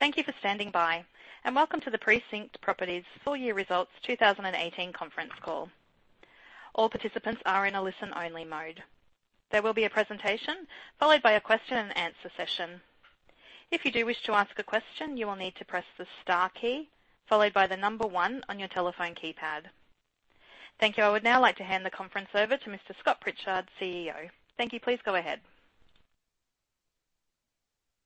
Thank you for standing by, welcome to the Precinct Properties Full Year Results 2018 conference call. All participants are in a listen-only mode. There will be a presentation, followed by a question and answer session. If you do wish to ask a question, you will need to press the star key followed by the number 1 on your telephone keypad. Thank you. I would now like to hand the conference over to Mr. Scott Pritchard, CEO. Thank you. Please go ahead.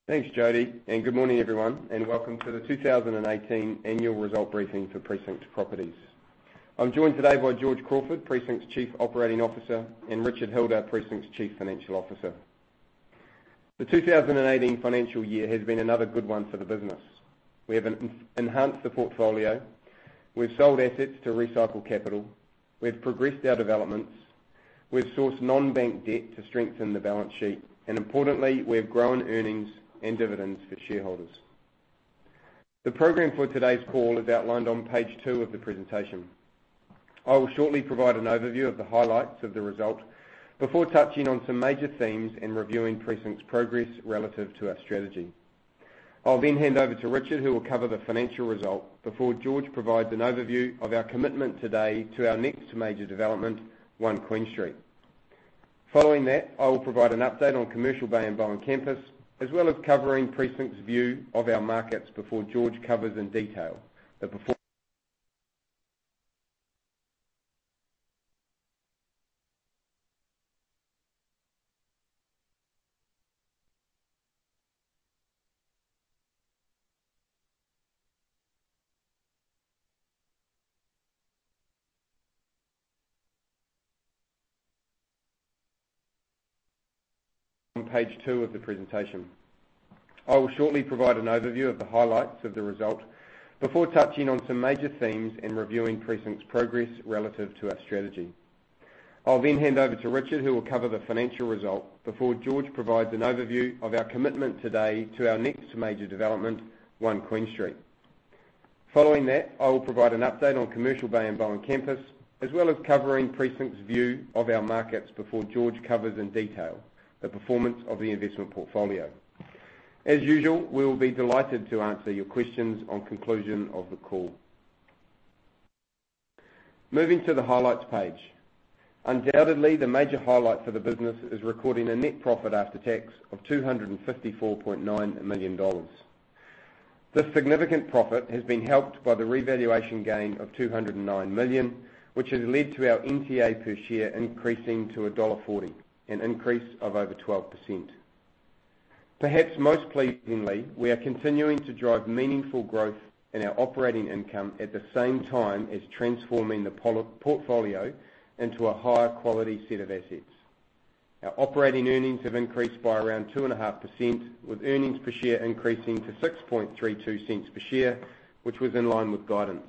Thanks, Jody, good morning everyone, welcome to the 2018 annual result briefing for Precinct Properties. I'm joined today by George Crawford, Precinct's Chief Operating Officer, Richard Hilder, Precinct's Chief Financial Officer. The 2018 financial year has been another good one for the business. We've enhanced the portfolio, we've sold assets to recycle capital, we've progressed our developments, we've sourced non-bank debt to strengthen the balance sheet, importantly, we've grown earnings and dividends for shareholders. The program for today's call is outlined on page two of the presentation. I will shortly provide an overview of the highlights of the results before touching on some major themes and reviewing Precinct's progress relative to our strategy. I'll then hand over to Richard, who will cover the financial result before George provides an overview of our commitment today to our next major development, One Queen Street. Following that, I will provide an update on Commercial Bay and Bowen Campus, as well as covering Precinct's view of our markets before George covers in detail the performance on page two of the presentation. I will shortly provide an overview of the highlights of the result before touching on some major themes and reviewing Precinct's progress relative to our strategy. I'll then hand over to Richard, who will cover the financial result before George provides an overview of our commitment today to our next major development, One Queen Street. Following that, I will provide an update on Commercial Bay and Bowen Campus, as well as covering Precinct's view of our markets before George covers in detail the performance of the investment portfolio. As usual, we'll be delighted to answer your questions on conclusion of the call. Moving to the highlights page. Undoubtedly, the major highlight for the business is recording a net profit after tax of 254.9 million dollars. This significant profit has been helped by the revaluation gain of 209 million, which has led to our NTA per share increasing to dollar 1.40, an increase of over 12%. Perhaps most pleasingly, we are continuing to drive meaningful growth in our operating income at the same time as transforming the portfolio into a higher quality set of assets. Our operating earnings have increased by around 2.5%, with earnings per share increasing to 0.0632 per share, which was in line with guidance.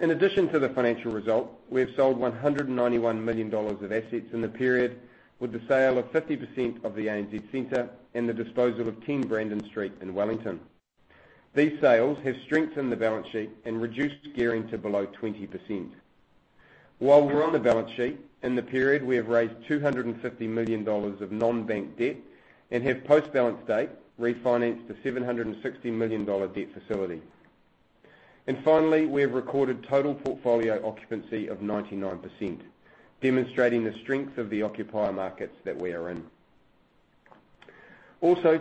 In addition to the financial result, we have sold 191 million dollars of assets in the period, with the sale of 50% of the ANZ Centre and the disposal of 10 Brandon Street in Wellington. These sales have strengthened the balance sheet and reduced gearing to below 20%. While we're on the balance sheet, in the period we have raised 250 million dollars of non-bank debt and have, post balance date, refinanced a 760 million dollar debt facility. Finally, we have recorded total portfolio occupancy of 99%, demonstrating the strength of the occupier markets that we are in.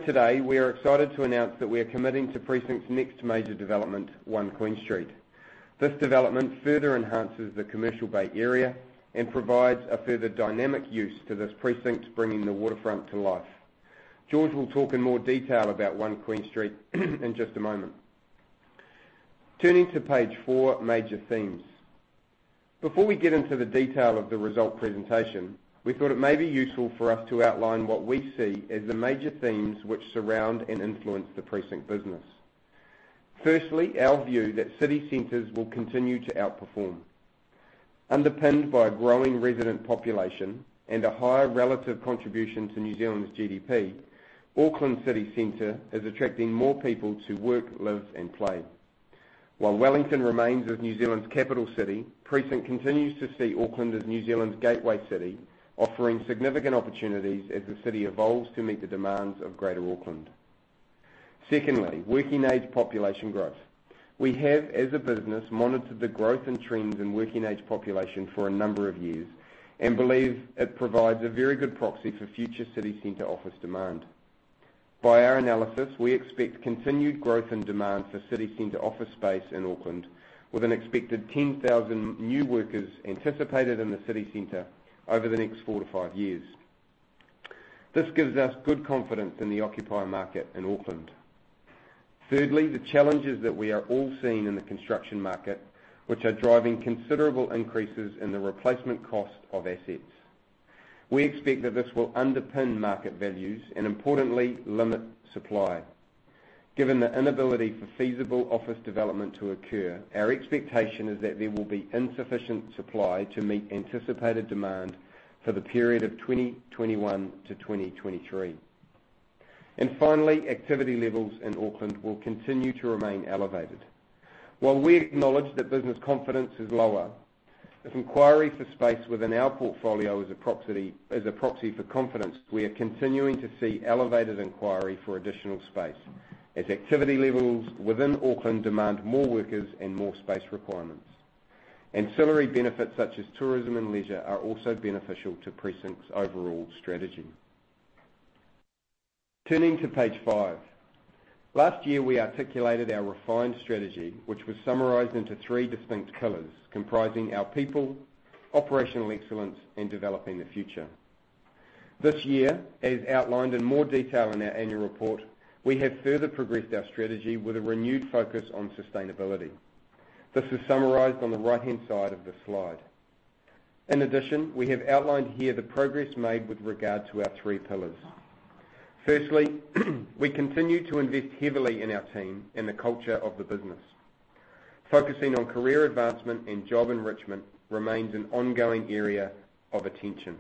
Today, we are excited to announce that we are committing to Precinct's next major development, One Queen Street. This development further enhances the Commercial Bay area and provides a further dynamic use to this precinct, bringing the waterfront to life. George will talk in more detail about One Queen Street in just a moment. Turning to page four, major themes. Before we get into the detail of the result presentation, we thought it may be useful for us to outline what we see as the major themes which surround and influence the Precinct business. Firstly, our view that city centers will continue to outperform. Underpinned by a growing resident population and a higher relative contribution to New Zealand's GDP, Auckland City Centre is attracting more people to work, live, and play. While Wellington remains as New Zealand's capital city, Precinct continues to see Auckland as New Zealand's gateway city, offering significant opportunities as the city evolves to meet the demands of Greater Auckland. Secondly, working-age population growth. We have, as a business, monitored the growth and trends in working-age population for a number of years and believe it provides a very good proxy for future city center office demand. By our analysis, we expect continued growth and demand for city center office space in Auckland, with an expected 10,000 new workers anticipated in the city center over the next four to five years. This gives us good confidence in the occupier market in Auckland. Thirdly, the challenges that we are all seeing in the construction market, which are driving considerable increases in the replacement cost of assets. We expect that this will underpin market values and importantly, limit supply. Given the inability for feasible office development to occur, our expectation is that there will be insufficient supply to meet anticipated demand for the period of 2021 to 2023. Finally, activity levels in Auckland will continue to remain elevated. While we acknowledge that business confidence is lower, if inquiry for space within our portfolio is a proxy for confidence, we are continuing to see elevated inquiry for additional space, as activity levels within Auckland demand more workers and more space requirements. Ancillary benefits such as tourism and leisure are also beneficial to Precinct's overall strategy. Turning to page five. Last year we articulated our refined strategy, which was summarized into three distinct pillars comprising our people, operational excellence, and developing the future. This year, as outlined in more detail in our annual report, we have further progressed our strategy with a renewed focus on sustainability. This is summarized on the right-hand side of the slide. In addition, we have outlined here the progress made with regard to our three pillars. Firstly, we continue to invest heavily in our team and the culture of the business. Focusing on career advancement and job enrichment remains an ongoing area of attention.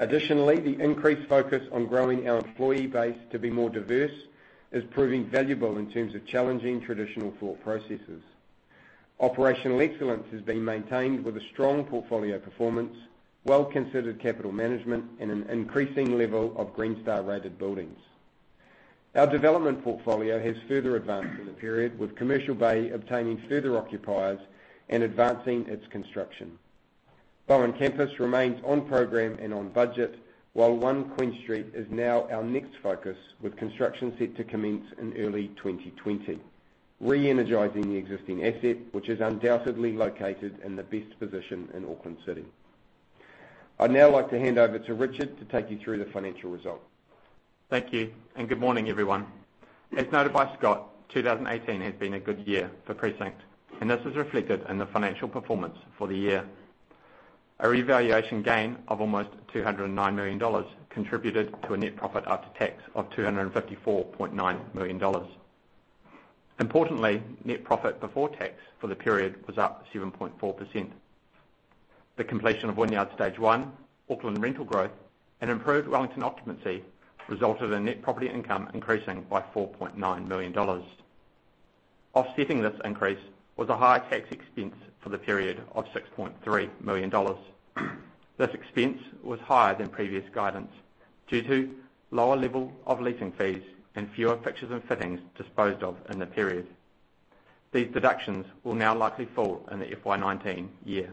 Additionally, the increased focus on growing our employee base to be more diverse is proving valuable in terms of challenging traditional thought processes. Operational excellence has been maintained with a strong portfolio performance, well-considered capital management, and an increasing level of Green Star rated buildings. Our development portfolio has further advanced in the period, with Commercial Bay obtaining further occupiers and advancing its construction. Bowen Campus remains on program and on budget, while One Queen Street is now our next focus, with construction set to commence in early 2020, re-energizing the existing asset, which is undoubtedly located in the best position in Auckland City. I'd now like to hand over to Richard to take you through the financial result. Thank you. Good morning, everyone. As noted by Scott, 2018 has been a good year for Precinct, and this is reflected in the financial performance for the year. A revaluation gain of almost 209 million dollars contributed to a net profit after tax of 254.9 million dollars. Importantly, net profit before tax for the period was up 7.4%. The completion of Wynyard Stage 1, Auckland rental growth, and improved Wellington occupancy resulted in net property income increasing by 4.9 million dollars. Offsetting this increase was a higher tax expense for the period of 6.3 million dollars. This expense was higher than previous guidance due to lower level of leasing fees and fewer fixtures and fittings disposed of in the period. These deductions will now likely fall in the FY 2019 year.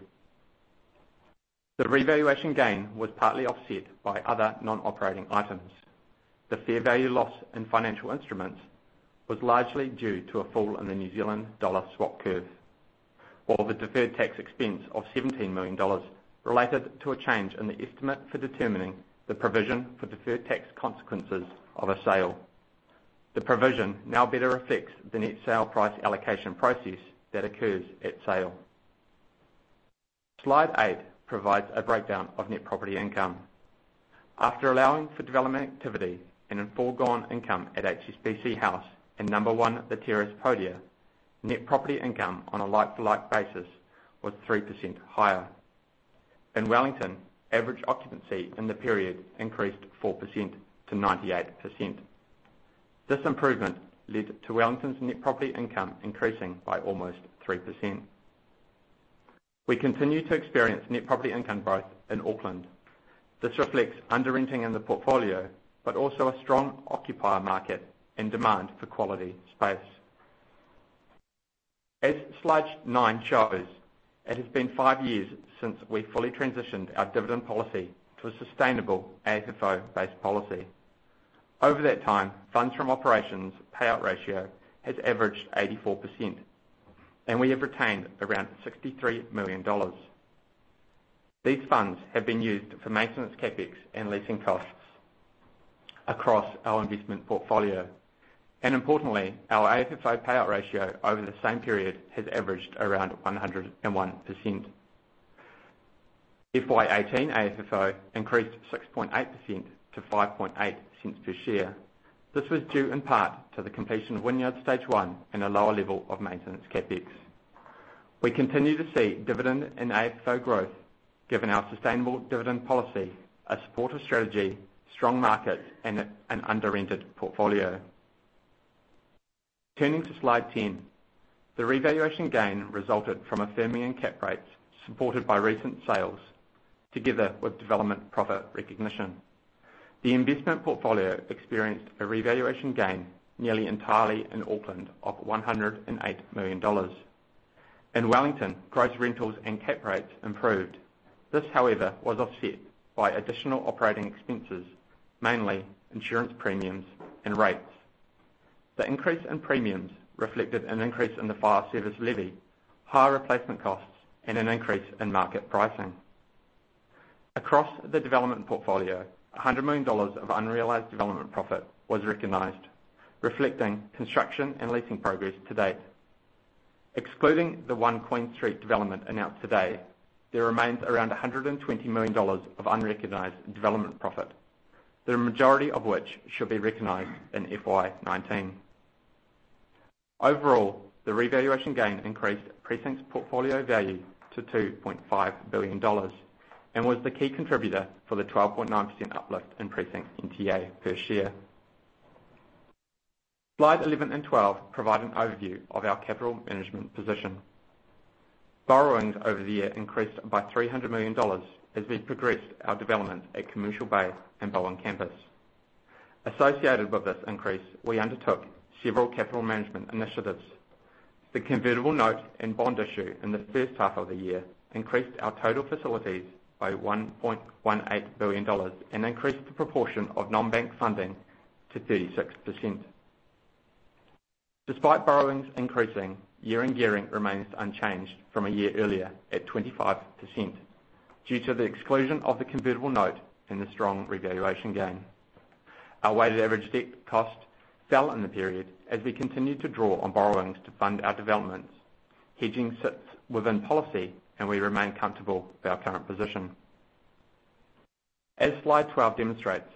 The revaluation gain was partly offset by other non-operating items. The fair value loss in financial instruments was largely due to a fall in the New Zealand dollar swap curve. The deferred tax expense of 17 million dollars related to a change in the estimate for determining the provision for deferred tax consequences of a sale. The provision now better reflects the net sale price allocation process that occurs at sale. Slide eight provides a breakdown of net property income. After allowing for development activity and a foregone income at HSBC House and No. 1 The Terrace Podia, net property income on a like-to-like basis was 3% higher. In Wellington, average occupancy in the period increased 4% to 98%. This improvement led to Wellington's net property income increasing by almost 3%. We continue to experience net property income growth in Auckland. This reflects under-renting in the portfolio, but also a strong occupier market and demand for quality space. As slide nine shows, it has been five years since we fully transitioned our dividend policy to a sustainable AFFO-based policy. Over that time, funds from operations payout ratio has averaged 84%, and we have retained around 63 million dollars. These funds have been used for maintenance CapEx and leasing costs across our investment portfolio. Importantly, our AFFO payout ratio over the same period has averaged around 101%. FY 2018 AFFO increased 6.8% to 0.058 per share. This was due in part to the completion of Wynyard Stage 1 and a lower level of maintenance CapEx. We continue to see dividend and AFFO growth, given our sustainable dividend policy, a supportive strategy, strong market, and an under-rented portfolio. Turning to slide 10. The revaluation gain resulted from affirming in cap rates supported by recent sales, together with development profit recognition. The investment portfolio experienced a revaluation gain nearly entirely in Auckland of 108 million dollars. In Wellington, gross rentals and cap rates improved. This, however, was offset by additional operating expenses, mainly insurance premiums and rates. The increase in premiums reflected an increase in the Fire and Emergency Levy, higher replacement costs, and an increase in market pricing. Across the development portfolio, 100 million dollars of unrealized development profit was recognized, reflecting construction and leasing progress to date. Excluding the One Queen Street development announced today, there remains around 120 million dollars of unrecognized development profit, the majority of which should be recognized in FY 2019. Overall, the revaluation gain increased Precinct's portfolio value to 2.5 billion dollars and was the key contributor for the 12.9% uplift in Precinct NTA per share. Slide 11 and 12 provide an overview of our capital management position. Borrowings over the year increased by 300 million dollars as we progressed our development at Commercial Bay and Bowen Campus. Associated with this increase, we undertook several capital management initiatives. The convertible note and bond issue in the first half of the year increased our total facilities by 1.18 billion dollars and increased the proportion of non-bank funding to 36%. Despite borrowings increasing, year-end gearing remains unchanged from a year earlier at 25%, due to the exclusion of the convertible note and the strong revaluation gain. Our weighted average debt cost fell in the period as we continued to draw on borrowings to fund our developments. Hedging sits within policy, and we remain comfortable with our current position. As Slide 12 demonstrates,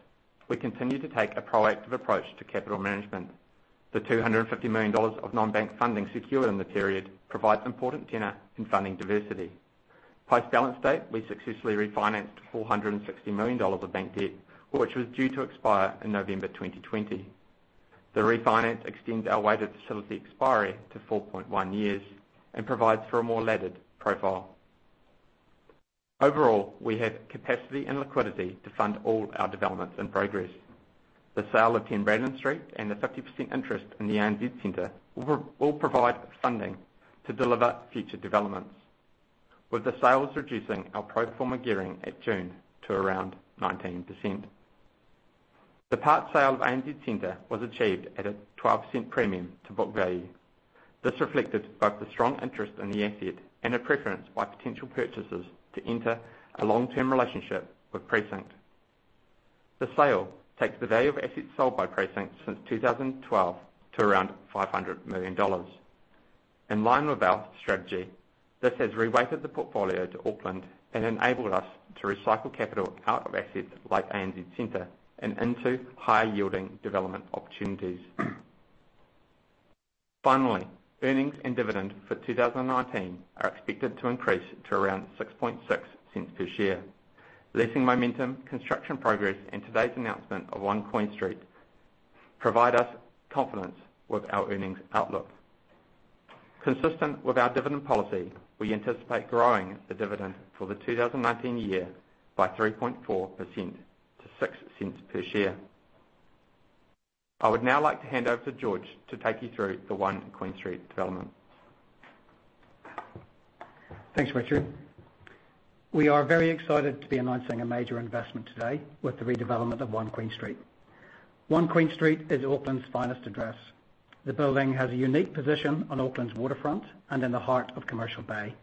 we continue to take a proactive approach to capital management. The 250 million dollars of non-bank funding secured in the period provides important tenor in funding diversity. Post-balance date, we successfully refinanced 460 million dollars of bank debt, which was due to expire in November 2020. The refinance extends our weighted facility expiry to 4.1 years and provides for a more laddered profile. Overall, we have capacity and liquidity to fund all our developments in progress. The sale of 10 Brandon Street and the 50% interest in the ANZ Centre will provide funding to deliver future developments, with the sales reducing our pro forma gearing at June to around 19%. The part sale of ANZ Centre was achieved at a 12% premium to book value. This reflected both the strong interest in the asset and a preference by potential purchasers to enter a long-term relationship with Precinct. The sale takes the value of assets sold by Precinct since 2012 to around 500 million dollars. In line with our strategy, this has reweighted the portfolio to Auckland and enabled us to recycle capital out of assets like ANZ Centre and into higher-yielding development opportunities. Finally, earnings and dividend for 2019 are expected to increase to around 0.066 per share. Leasing momentum, construction progress, and today's announcement of One Queen Street provide us confidence with our earnings outlook. Consistent with our dividend policy, we anticipate growing the dividend for the 2019 year by 3.4% to 0.06 per share. I would now like to hand over to George to take you through the One Queen Street development. Thanks, Richard. We are very excited to be announcing a major investment today with the redevelopment of One Queen Street. One Queen Street is Auckland's finest address. The building has a unique position on Auckland's waterfront and in the heart of Commercial Bay.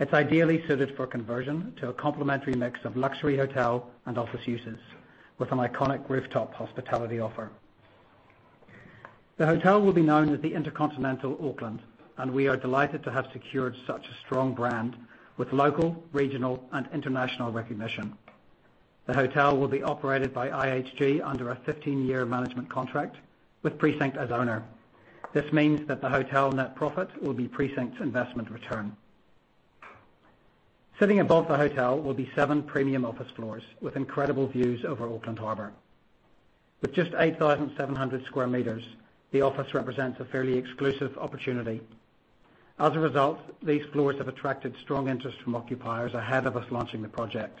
It's ideally suited for conversion to a complementary mix of luxury hotel and office uses with an iconic rooftop hospitality offer. The hotel will be known as the InterContinental Auckland, and we are delighted to have secured such a strong brand with local, regional, and international recognition. The hotel will be operated by IHG under a 15-year management contract with Precinct as owner. This means that the hotel net profit will be Precinct's investment return. Sitting above the hotel will be seven premium office floors with incredible views over Auckland Harbor. With just 8,700 sq m, the office represents a fairly exclusive opportunity. As a result, these floors have attracted strong interest from occupiers ahead of us launching the project,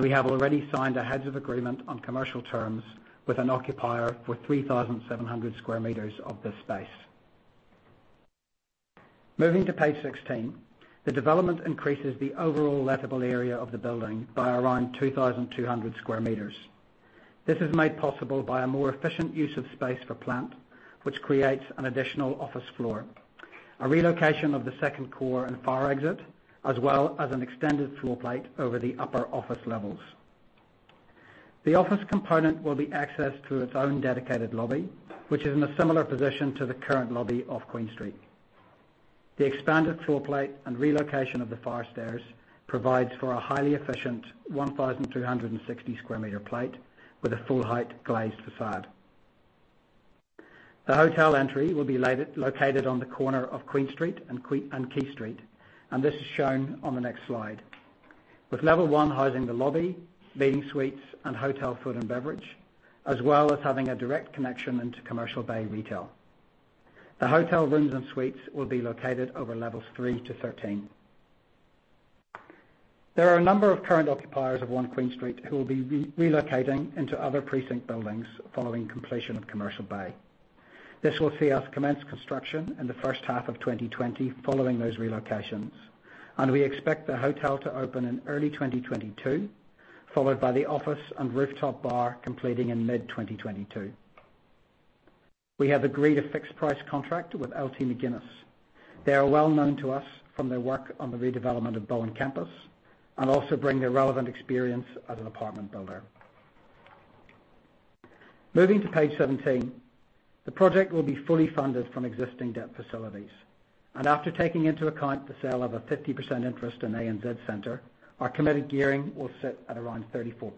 we have already signed a heads of agreement on commercial terms with an occupier for 3,700 sq m of this space. Moving to page 16, the development increases the overall lettable area of the building by around 2,200 sq m. This is made possible by a more efficient use of space for plant, which creates an additional office floor, a relocation of the second core and fire exit, as well as an extended floor plate over the upper office levels. The office component will be accessed through its own dedicated lobby, which is in a similar position to the current lobby off Queen Street. The expanded floor plate and relocation of the fire stairs provides for a highly efficient 1,260 sq m plate with a full-height glazed façade. The hotel entry will be located on the corner of Queen Street and Quay Street, this is shown on the next slide. With level 1 housing the lobby, meeting suites, and hotel food and beverage, as well as having a direct connection into Commercial Bay retail. The hotel rooms and suites will be located over levels 3 to 13. There are a number of current occupiers of One Queen Street who will be relocating into other Precinct buildings following completion of Commercial Bay. This will see us commence construction in the first half of 2020 following those relocations, we expect the hotel to open in early 2022, followed by the office and rooftop bar completing in mid-2022. We have agreed a fixed price contract with LT McGuinness. They are well-known to us from their work on the redevelopment of Bowen Campus and also bring their relevant experience as an apartment builder. Moving to page 17, the project will be fully funded from existing debt facilities, after taking into account the sale of a 50% interest in ANZ Centre, our committed gearing will sit at around 34%.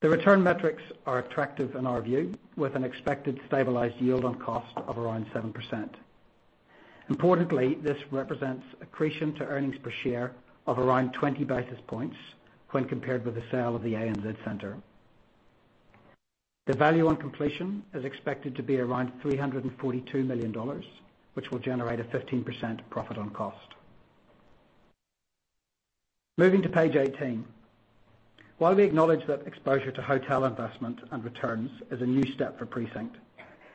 The return metrics are attractive in our view, with an expected stabilized yield on cost of around 7%. Importantly, this represents accretion to earnings per share of around 20 basis points when compared with the sale of the ANZ Centre. The value on completion is expected to be around 342 million dollars, which will generate a 15% profit on cost. Moving to page 18. While we acknowledge that exposure to hotel investment and returns is a new step for Precinct,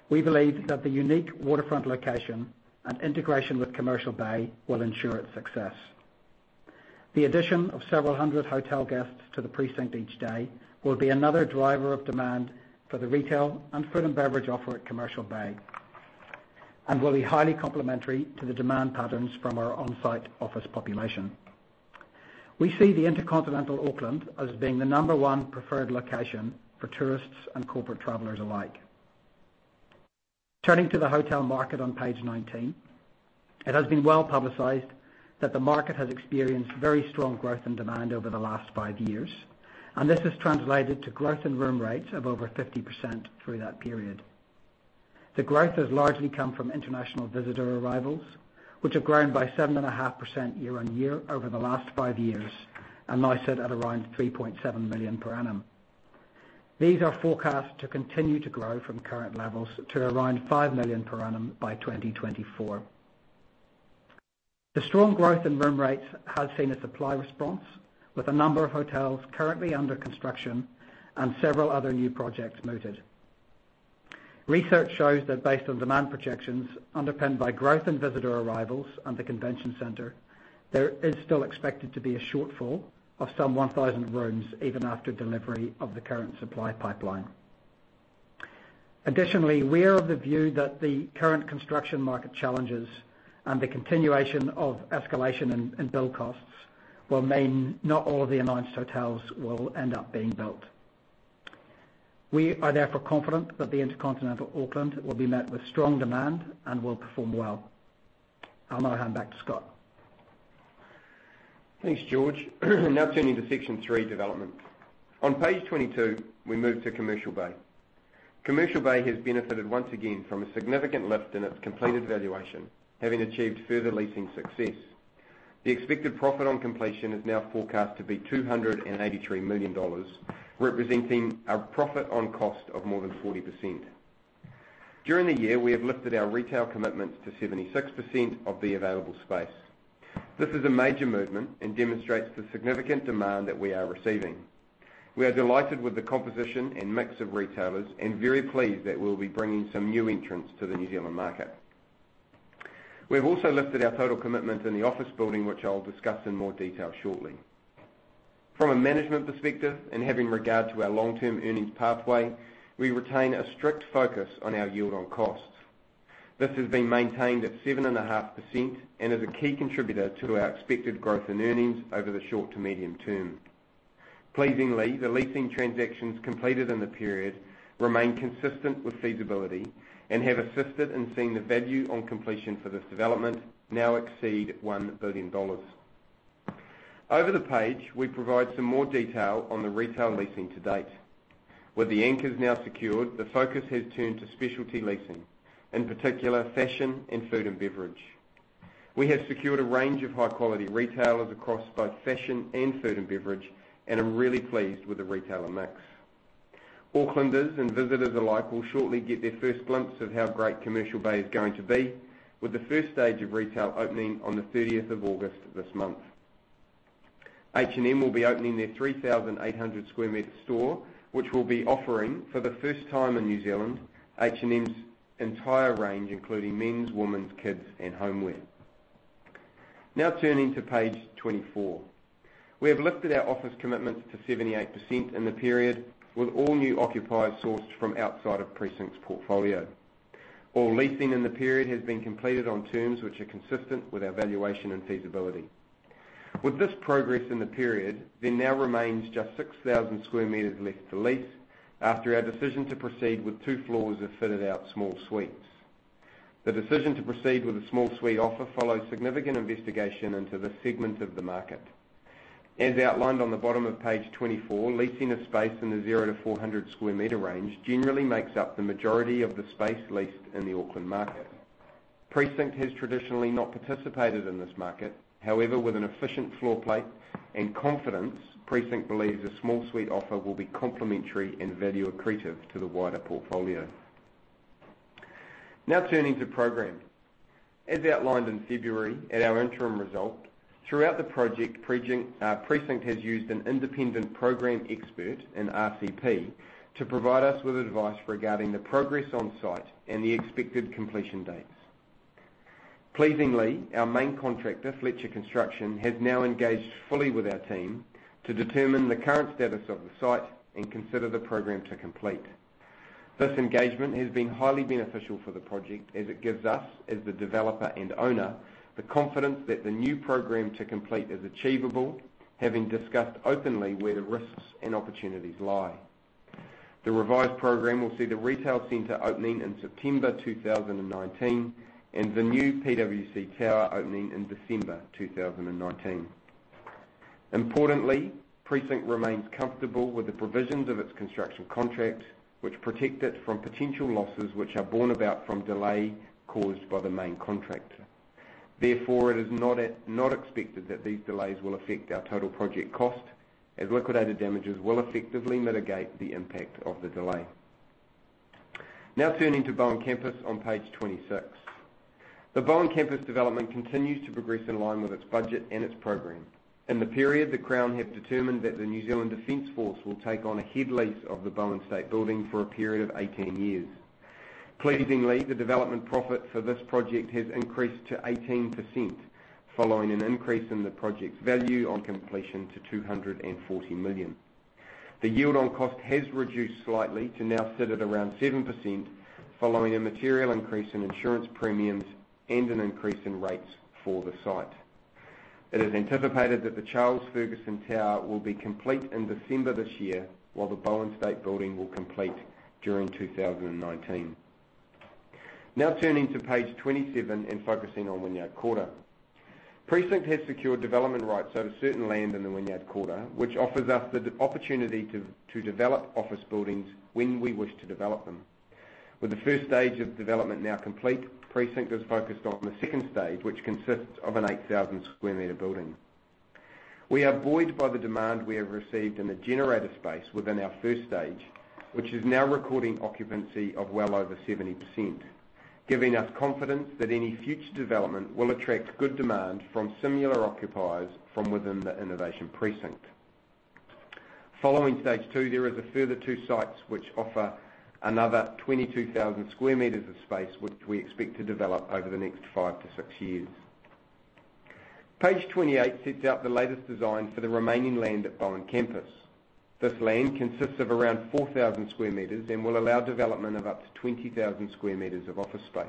we believe that the unique waterfront location and integration with Commercial Bay will ensure its success. The addition of several hundred hotel guests to the Precinct each day will be another driver of demand for the retail and food and beverage offer at Commercial Bay, and will be highly complementary to the demand patterns from our on-site office population. We see the InterContinental Auckland as being the number one preferred location for tourists and corporate travelers alike. Turning to the hotel market on page nineteen. It has been well-publicized that the market has experienced very strong growth and demand over the last five years, and this has translated to growth in room rates of over 50% through that period. The growth has largely come from international visitor arrivals, which have grown by 7.5% year-over-year over the last five years and now sit at around 3.7 million per annum. These are forecast to continue to grow from current levels to around five million per annum by 2024. The strong growth in room rates has seen a supply response, with a number of hotels currently under construction and several other new projects mooted. Research shows that based on demand projections underpinned by growth in visitor arrivals and the convention center, there is still expected to be a shortfall of some 1,000 rooms even after delivery of the current supply pipeline. Additionally, we are of the view that the current construction market challenges and the continuation of escalation in build costs will mean not all of the announced hotels will end up being built. We are therefore confident that the InterContinental Auckland will be met with strong demand and will perform well. I'll now hand back to Scott. Thanks, George. Turning to section three, development. On page 22, we move to Commercial Bay. Commercial Bay has benefited once again from a significant lift in its completed valuation, having achieved further leasing success. The expected profit on completion is now forecast to be 283 million dollars, representing a profit on cost of more than 40%. During the year, we have lifted our retail commitments to 76% of the available space. This is a major movement and demonstrates the significant demand that we are receiving. We are delighted with the composition and mix of retailers and very pleased that we will be bringing some new entrants to the New Zealand market. We have also lifted our total commitment in the office building, which I'll discuss in more detail shortly. From a management perspective and having regard to our long-term earnings pathway, we retain a strict focus on our yield on cost. This has been maintained at 7.5% and is a key contributor to our expected growth in earnings over the short to medium term. Pleasingly, the leasing transactions completed in the period remain consistent with feasibility and have assisted in seeing the value on completion for this development now exceed 1 billion dollars. Over the page, we provide some more detail on the retail leasing to date. With the anchors now secured, the focus has turned to specialty leasing, in particular, fashion and food and beverage. We have secured a range of high-quality retailers across both fashion and food and beverage and are really pleased with the retailer mix. Aucklanders and visitors alike will shortly get their first glimpse of how great Commercial Bay is going to be, with the first stage of retail opening on the 30th of August this month. H&M will be opening their 3,800 sq m store, which will be offering for the first time in New Zealand, H&M's entire range, including men's, women's, kids and homeware. Turning to page 24. We have lifted our office commitments to 78% in the period, with all new occupiers sourced from outside of Precinct's portfolio. All leasing in the period has been completed on terms which are consistent with our valuation and feasibility. With this progress in the period, there now remains just 6,000 sq m left to lease after our decision to proceed with two floors of fitted-out small suites. The decision to proceed with a small suite offer follows significant investigation into this segment of the market. As outlined on the bottom of page 24, leasing of space in the 0 to 400 sq m range generally makes up the majority of the space leased in the Auckland market. Precinct has traditionally not participated in this market. With an efficient floor plate and confidence, Precinct believes a small suite offer will be complementary and value accretive to the wider portfolio. Turning to program. As outlined in February at our interim result, throughout the project, Precinct has used an independent program expert, an RCP, to provide us with advice regarding the progress on site and the expected completion dates. Pleasingly, our main contractor, Fletcher Construction, has now engaged fully with our team to determine the current status of the site and consider the program to complete. This engagement has been highly beneficial for the project as it gives us, as the developer and owner, the confidence that the new program to complete is achievable, having discussed openly where the risks and opportunities lie. The revised program will see the retail center opening in September 2019 and the new PwC Tower opening in December 2019. Importantly, Precinct remains comfortable with the provisions of its construction contract, which protect it from potential losses which are borne about from delay caused by the main contract. It is not expected that these delays will affect our total project cost, as liquidated damages will effectively mitigate the impact of the delay. Turning to Bowen Campus on page 26. The Bowen Campus development continues to progress in line with its budget and its program. In the period, the Crown have determined that the New Zealand Defence Force will take on a head lease of the Bowen State Building for a period of 18 years. Pleasingly, the development profit for this project has increased to 18%, following an increase in the project's value on completion to 240 million. The yield on cost has reduced slightly to now sit at around 7%, following a material increase in insurance premiums and an increase in rates for the site. It is anticipated that the Charles Fergusson Tower will be complete in December this year, while the Bowen State Building will complete during 2019. Turning to page 27 and focusing on Wynyard Quarter. Precinct has secured development rights over certain land in the Wynyard Quarter, which offers us the opportunity to develop office buildings when we wish to develop them. With the first stage of development now complete, Precinct is focused on the second stage, which consists of an 8,000 sq m building. We are buoyed by the demand we have received in the Generator space within our first stage, which is now recording occupancy of well over 70%, giving us confidence that any future development will attract good demand from similar occupiers from within the innovation precinct. Following stage 2, there is a further two sites which offer another 22,000 sq m of space, which we expect to develop over the next five to six years. Page 28 sets out the latest design for the remaining land at Bowen Campus. This land consists of around 4,000 sq m and will allow development of up to 20,000 sq m of office space.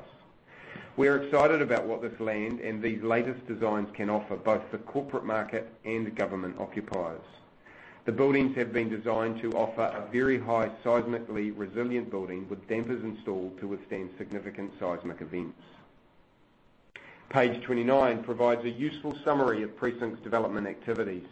We're excited about what this land and these latest designs can offer both the corporate market and government occupiers. The buildings have been designed to offer a very high seismically resilient building with dampers installed to withstand significant seismic events. Page 29 provides a useful summary of Precinct's development activities.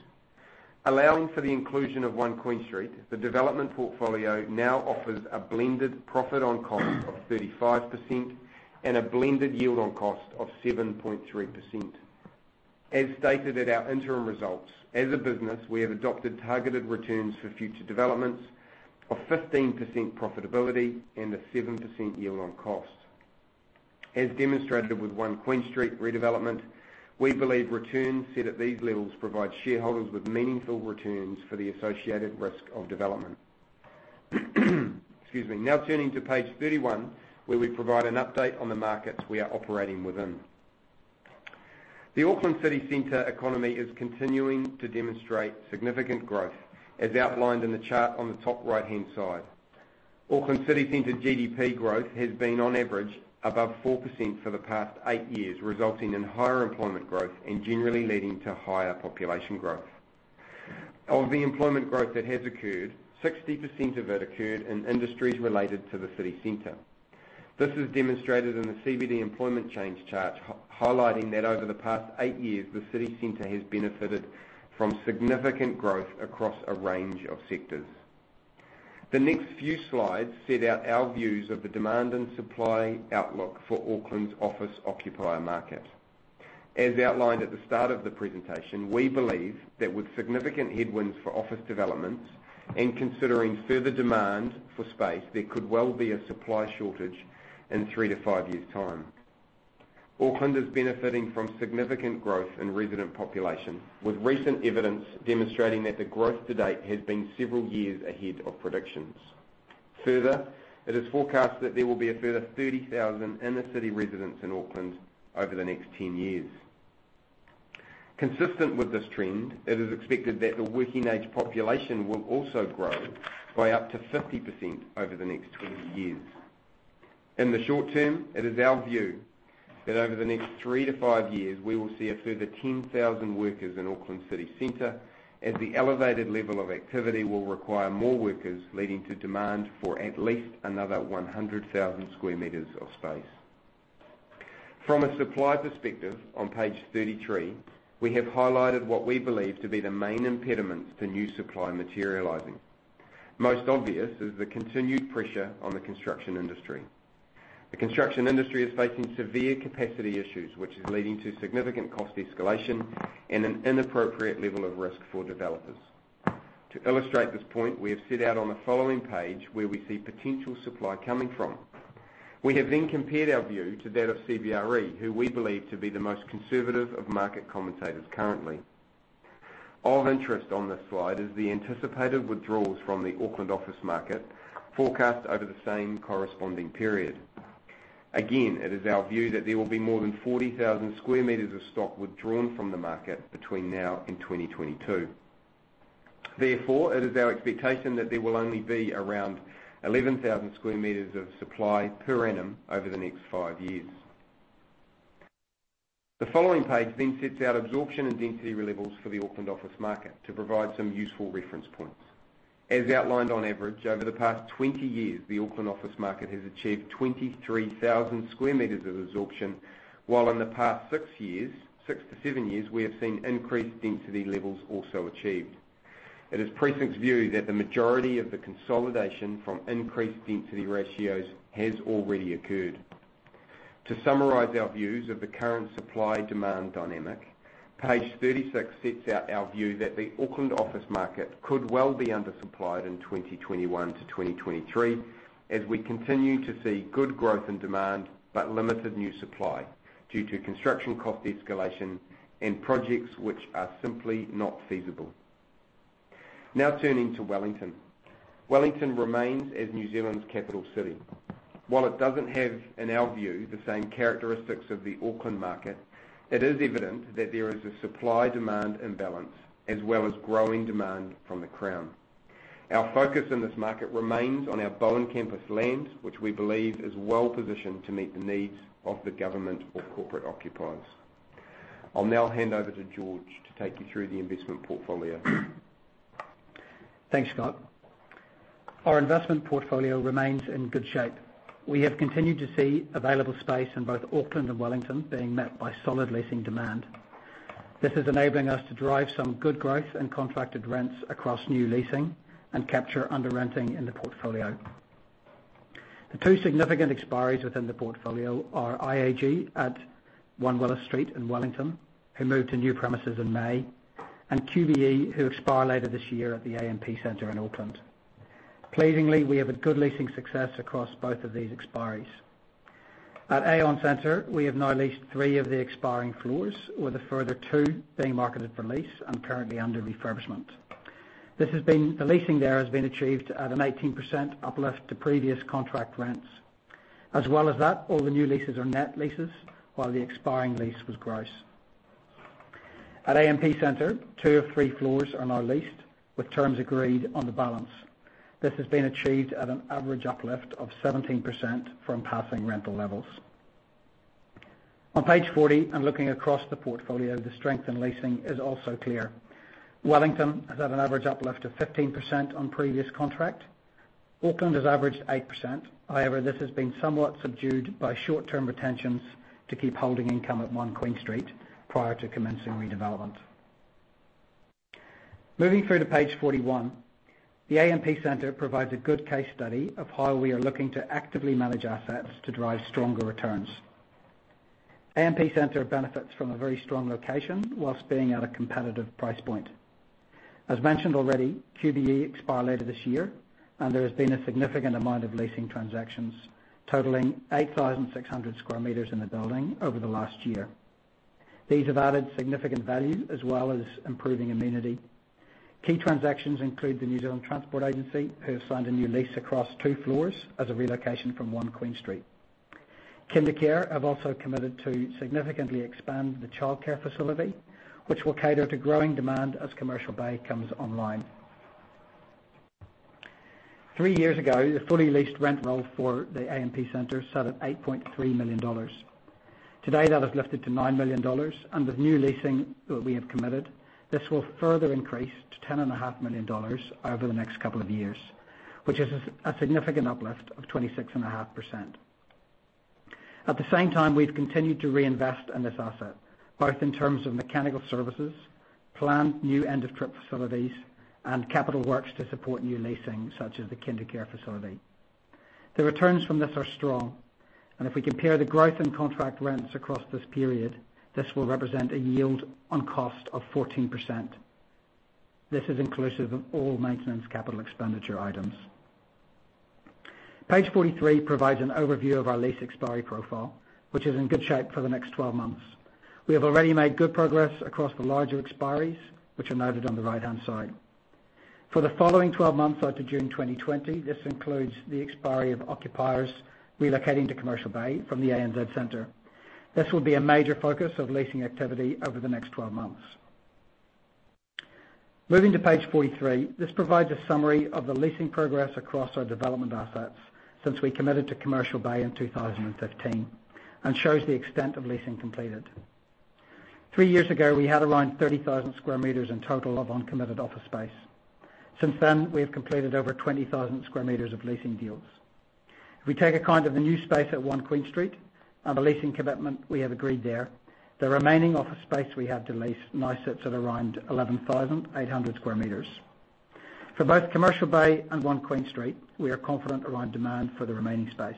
Allowing for the inclusion of One Queen Street, the development portfolio now offers a blended profit on cost of 35% and a blended yield on cost of 7.3%. As stated at our interim results, as a business, we have adopted targeted returns for future developments of 15% profitability and a 7% yield on cost. As demonstrated with One Queen Street redevelopment, we believe returns set at these levels provide shareholders with meaningful returns for the associated risk of development. Excuse me. Turning to page 31, where we provide an update on the markets we are operating within. The Auckland city center economy is continuing to demonstrate significant growth, as outlined in the chart on the top right-hand side. Auckland city center GDP growth has been on average above 4% for the past eight years, resulting in higher employment growth and generally leading to higher population growth. Of the employment growth that has occurred, 60% of it occurred in industries related to the city center. This is demonstrated in the CBD employment change chart, highlighting that over the past eight years, the city center has benefited from significant growth across a range of sectors. The next few slides set out our views of the demand and supply outlook for Auckland's office occupier market. As outlined at the start of the presentation, we believe that with significant headwinds for office developments and considering further demand for space, there could well be a supply shortage in three to five years' time. Auckland is benefiting from significant growth in resident population, with recent evidence demonstrating that the growth to date has been several years ahead of predictions. Further, it is forecast that there will be a further 30,000 inner-city residents in Auckland over the next 10 years. Consistent with this trend, it is expected that the working-age population will also grow by up to 50% over the next 20 years. In the short term, it is our view that over the next three to five years, we will see a further 10,000 workers in Auckland City Center as the elevated level of activity will require more workers, leading to demand for at least another 100,000 square meters of space. From a supply perspective, on page 33, we have highlighted what we believe to be the main impediments to new supply materializing. Most obvious is the continued pressure on the construction industry. The construction industry is facing severe capacity issues, which is leading to significant cost escalation and an inappropriate level of risk for developers. To illustrate this point, we have set out on the following page where we see potential supply coming from. We have compared our view to that of CBRE, who we believe to be the most conservative of market commentators currently. Of interest on this slide is the anticipated withdrawals from the Auckland office market forecast over the same corresponding period. Again, it is our view that there will be more than 40,000 square meters of stock withdrawn from the market between now and 2022. Therefore, it is our expectation that there will only be around 11,000 square meters of supply per annum over the next five years. The following page sets out absorption and density levels for the Auckland office market to provide some useful reference points. As outlined on average, over the past 20 years, the Auckland office market has achieved 23,000 square meters of absorption, while in the past six to seven years, we have seen increased density levels also achieved. It is Precinct's view that the majority of the consolidation from increased density ratios has already occurred. To summarize our views of the current supply-demand dynamic, page 36 sets out our view that the Auckland office market could well be undersupplied in 2021 to 2023, as we continue to see good growth in demand but limited new supply due to construction cost escalation and projects which are simply not feasible. Now turning to Wellington. Wellington remains as New Zealand's capital city. While it doesn't have, in our view, the same characteristics of the Auckland market, it is evident that there is a supply-demand imbalance, as well as growing demand from the Crown. Our focus in this market remains on our Bowen Campus land, which we believe is well-positioned to meet the needs of the government or corporate occupiers. I'll now hand over to George to take you through the investment portfolio. Thanks, Scott. Our investment portfolio remains in good shape. We have continued to see available space in both Auckland and Wellington being met by solid leasing demand. This is enabling us to drive some good growth and contracted rents across new leasing and capture under renting in the portfolio. The two significant expiries within the portfolio are IAG at 1 Willis Street in Wellington, who moved to new premises in May, and QBE, who expire later this year at the AMP Centre in Auckland. Pleasingly, we have a good leasing success across both of these expiries. At Aon Centre, we have now leased three of the expiring floors, with a further two being marketed for lease and currently under refurbishment. The leasing there has been achieved at an 18% uplift to previous contract rents. As well as that, all the new leases are net leases, while the expiring lease was gross. At AMP Centre, two of three floors are now leased, with terms agreed on the balance. This has been achieved at an average uplift of 17% from passing rental levels. On page 40, looking across the portfolio, the strength in leasing is also clear. Wellington has had an average uplift of 15% on previous contract. Auckland has averaged 8%. However, this has been somewhat subdued by short-term retentions to keep holding income at 1 Queen Street prior to commencing redevelopment. Moving through to page 41, the AMP Centre provides a good case study of how we are looking to actively manage assets to drive stronger returns. AMP Centre benefits from a very strong location whilst being at a competitive price point. As mentioned already, QBE expire later this year, and there has been a significant amount of leasing transactions totaling 8,600 sq m in the building over the last year. These have added significant value as well as improving amenity. Key transactions include the New Zealand Transport Agency, who have signed a new lease across two floors as a relocation from 1 Queen Street. Kindercare have also committed to significantly expand the childcare facility, which will cater to growing demand as Commercial Bay comes online. Three years ago, the fully leased rent roll for the AMP Centre sat at 8.3 million dollars. Today, that has lifted to 9 million dollars, and with new leasing that we have committed, this will further increase to 10.5 million dollars over the next couple of years, which is a significant uplift of 26.5%. At the same time, we've continued to reinvest in this asset, both in terms of mechanical services, planned new end-of-trip facilities, and capital works to support new leasing, such as the Kindercare facility. The returns from this are strong, and if we compare the growth in contract rents across this period, this will represent a yield on cost of 14%. This is inclusive of all maintenance capital expenditure items. Page 43 provides an overview of our lease expiry profile, which is in good shape for the next 12 months. We have already made good progress across the larger expiries, which are noted on the right-hand side. For the following 12 months after June 2020, this includes the expiry of occupiers relocating to Commercial Bay from the ANZ Centre. This will be a major focus of leasing activity over the next 12 months. Moving to page 43, this provides a summary of the leasing progress across our development assets since we committed to Commercial Bay in 2015, shows the extent of leasing completed. Three years ago, we had around 30,000 square meters in total of uncommitted office space. Since then, we have completed over 20,000 square meters of leasing deals. If we take account of the new space at 1 Queen Street and the leasing commitment we have agreed there, the remaining office space we have to lease now sits at around 11,800 square meters. For both Commercial Bay and 1 Queen Street, we are confident around demand for the remaining space.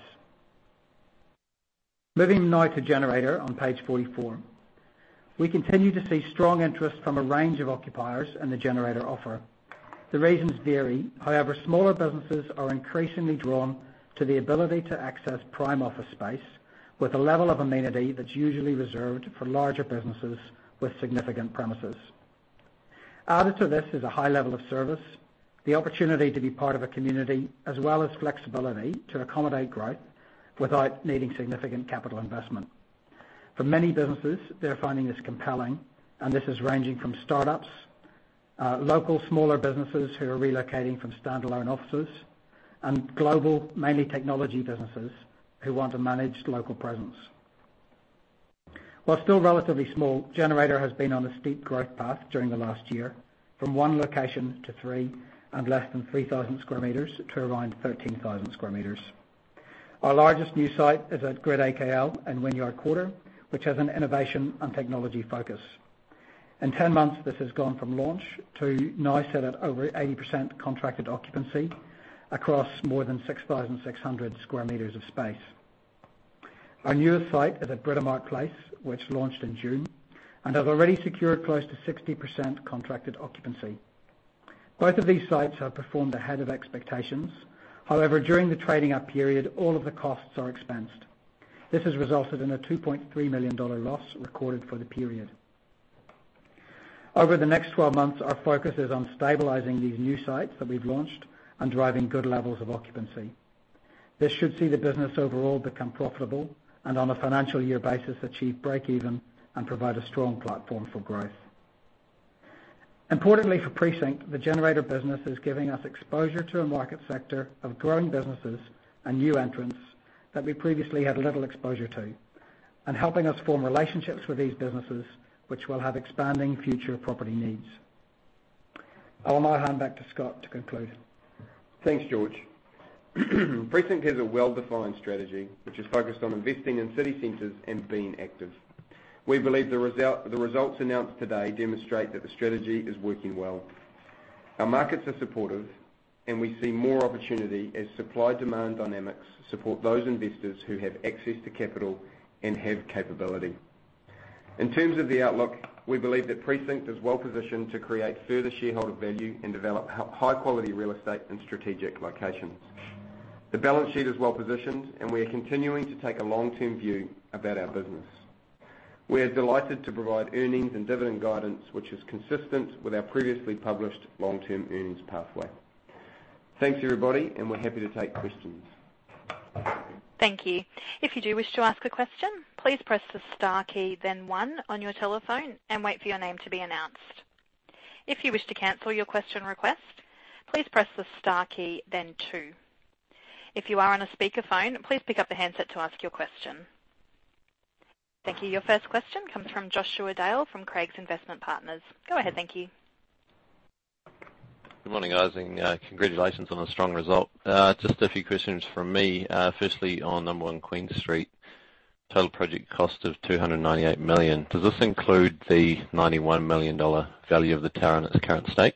Moving now to Generator on page 44. We continue to see strong interest from a range of occupiers in the Generator offer. The reasons vary. Smaller businesses are increasingly drawn to the ability to access prime office space with a level of amenity that's usually reserved for larger businesses with significant premises. Added to this is a high level of service, the opportunity to be part of a community, as well as flexibility to accommodate growth without needing significant capital investment. For many businesses, they're finding this compelling, This is ranging from startups Local smaller businesses who are relocating from standalone offices global, mainly technology businesses, who want a managed local presence. Still relatively small, Generator has been on a steep growth path during the last year, from one location to three, less than 3,000 square meters to around 13,000 square meters. Our largest new site is at Grid AKL in Wynyard Quarter, which has an innovation and technology focus. In 10 months, this has gone from launch to now sit at over 80% contracted occupancy across more than 6,600 square meters of space. Our newest site is at Britomart Place, which launched in June, has already secured close to 60% contracted occupancy. Both of these sites have performed ahead of expectations. During the trading-up period, all of the costs are expensed. This has resulted in a 2.3 million dollar loss recorded for the period. Over the next 12 months, our focus is on stabilizing these new sites that we've launched driving good levels of occupancy. This should see the business overall become profitable, on a financial year basis, achieve break even provide a strong platform for growth. Importantly for Precinct, the Generator business is giving us exposure to a market sector of growing businesses new entrants that we previously had little exposure to, helping us form relationships with these businesses, which will have expanding future property needs. I will now hand back to Scott to conclude. Thanks, George. Precinct has a well-defined strategy, which is focused on investing in city centers and being active. We believe the results announced today demonstrate that the strategy is working well. Our markets are supportive, and we see more opportunity as supply-demand dynamics support those investors who have access to capital and have capability. In terms of the outlook, we believe that Precinct is well-positioned to create further shareholder value and develop high-quality real estate in strategic locations. The balance sheet is well-positioned, and we are continuing to take a long-term view about our business. We are delighted to provide earnings and dividend guidance, which is consistent with our previously published long-term earnings pathway. Thanks, everybody, and we're happy to take questions. Thank you. If you do wish to ask a question, please press the star key then one on your telephone and wait for your name to be announced. If you wish to cancel your question request, please press the star key then two. If you are on a speakerphone, please pick up the handset to ask your question. Thank you. Your first question comes from Joshua Dale from Craigs Investment Partners. Go ahead. Thank you. Good morning, guys. Congratulations on the strong result. Just a few questions from me. Firstly, on No. 1 Queen Street, total project cost of 298 million. Does this include the 91 million dollar value of the tower in its current state?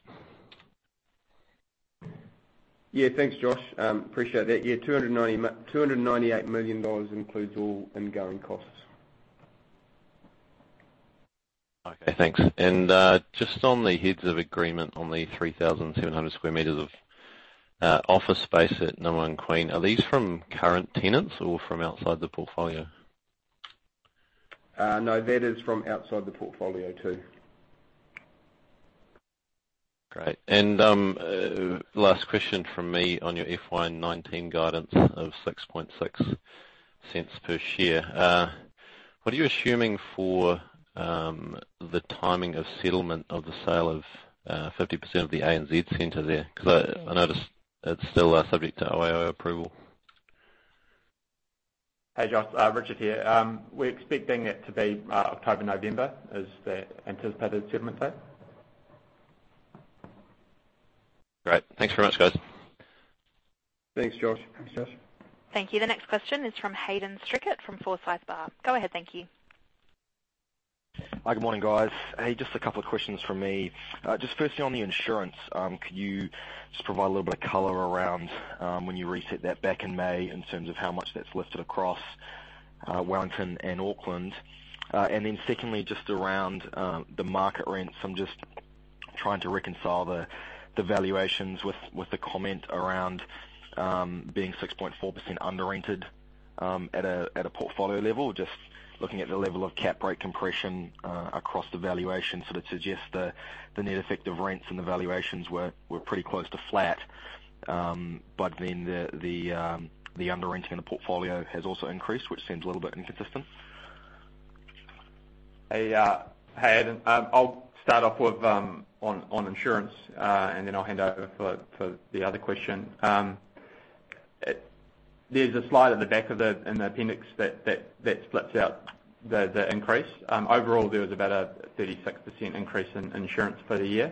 Yeah, thanks, Josh. Appreciate that. Yeah, 298 million dollars includes all ingoing costs. Okay, thanks. Just on the heads of agreement on the 3,700 square meters of office space at number 1 Queen. Are these from current tenants or from outside the portfolio? No, that is from outside the portfolio too. Great. Last question from me on your FY 2019 guidance of 0.066 per share. What are you assuming for the timing of settlement of the sale of 50% of the ANZ Centre there? Because I noticed it's still subject to OIO approval. Hey, Josh. Richard here. We're expecting it to be October, November, is the anticipated settlement date. Great. Thanks very much, guys. Thanks, Josh. Thanks, Josh. Thank you. The next question is from Hayden Strickett from Forsyth Barr. Go ahead. Thank you. Hi. Good morning, guys. Hey, a couple of questions from me. Firstly on the insurance, could you just provide a little bit of color around when you reset that back in May in terms of how much that's lifted across Wellington and Auckland? Secondly, around the market rents. I'm trying to reconcile the valuations with the comment around being 6.4% under-rented at a portfolio level. Looking at the level of cap rate compression across the valuation sort of suggests the net effect of rents and the valuations were pretty close to flat. The under-renting in the portfolio has also increased, which seems a little bit inconsistent. Hey, Hayden. I'll start off on insurance. I'll hand over for the other question. There's a slide at the back in the appendix that splits out the increase. Overall, there was about a 36% increase in insurance for the year.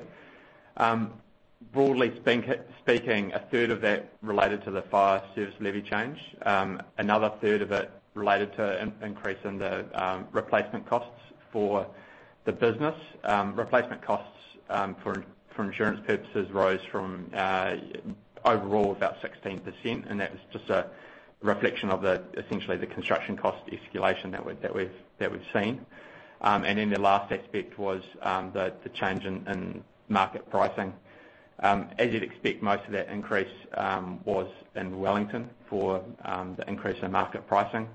Broadly speaking, a third of that related to the fire service levy change. Another third of it related to an increase in the replacement costs for the business. Replacement costs for insurance purposes rose from overall about 16%, that was a reflection of essentially the construction cost escalation that we've seen. The last aspect was the change in market pricing. As you'd expect, most of that increase was in Wellington for the increase in market pricing.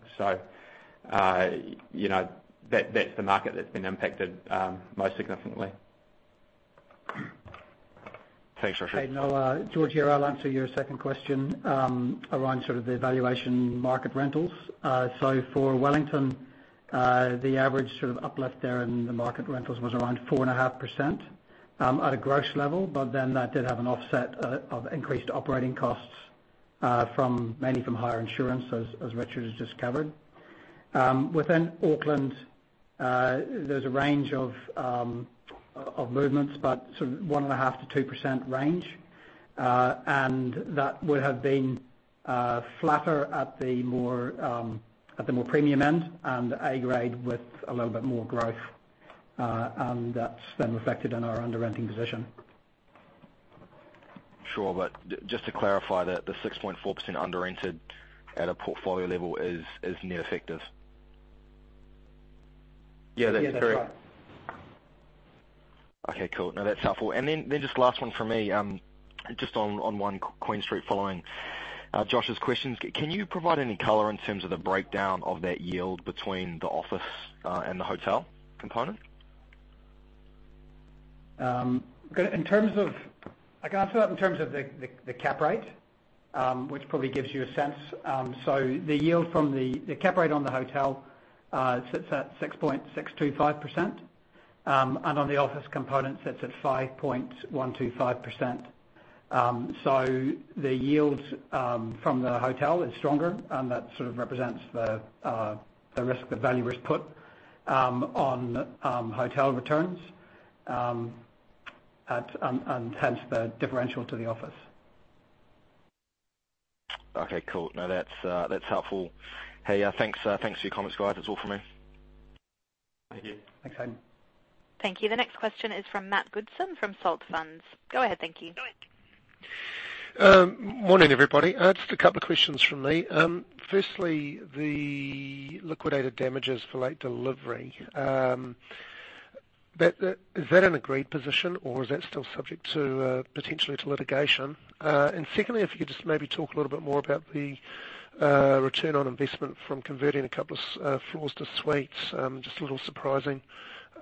That's the market that's been impacted most significantly. Thanks, Richard. Hey, Hayden. George here. I'll answer your second question around the valuation market rentals. For Wellington, the average uplift there in the market rentals was around 4.5%, at a gross level, that did have an offset of increased operating costs, mainly from higher insurance, as Richard has just covered. Within Auckland, there's a range of movements, but sort of 1.5%-2% range. That would have been flatter at the more premium end, and A grade with a little bit more growth. That's reflected in our under-renting position. Sure. Just to clarify that the 6.4% under-rented at a portfolio level is net effective. Yeah, that's correct. Yeah, that's right. Okay, cool. No, that's helpful. Just last one from me. Just on One Queen Street, following Josh's questions. Can you provide any color in terms of the breakdown of that yield between the office, and the hotel component? I can answer that in terms of the cap rate, which probably gives you a sense. The yield from the cap rate on the hotel sits at 6.625%, and on the office component sits at 5.125%. The yield from the hotel is stronger, and that sort of represents the risk, the value risk put on hotel returns, and hence the differential to the office. Okay, cool. No, that's helpful. Hey, thanks for your comments, guys. That's all from me. Thank you. Thanks, Hayden. Thank you. The next question is from Matt Goodson from Salt Funds. Go ahead. Thank you. Morning, everybody. Just a couple of questions from me. Firstly, the liquidated damages for late delivery. Is that an agreed position or is that still subject to, potentially, to litigation? Secondly, if you could just maybe talk a little bit more about the return on investment from converting a couple of floors to suites. Just a little surprising,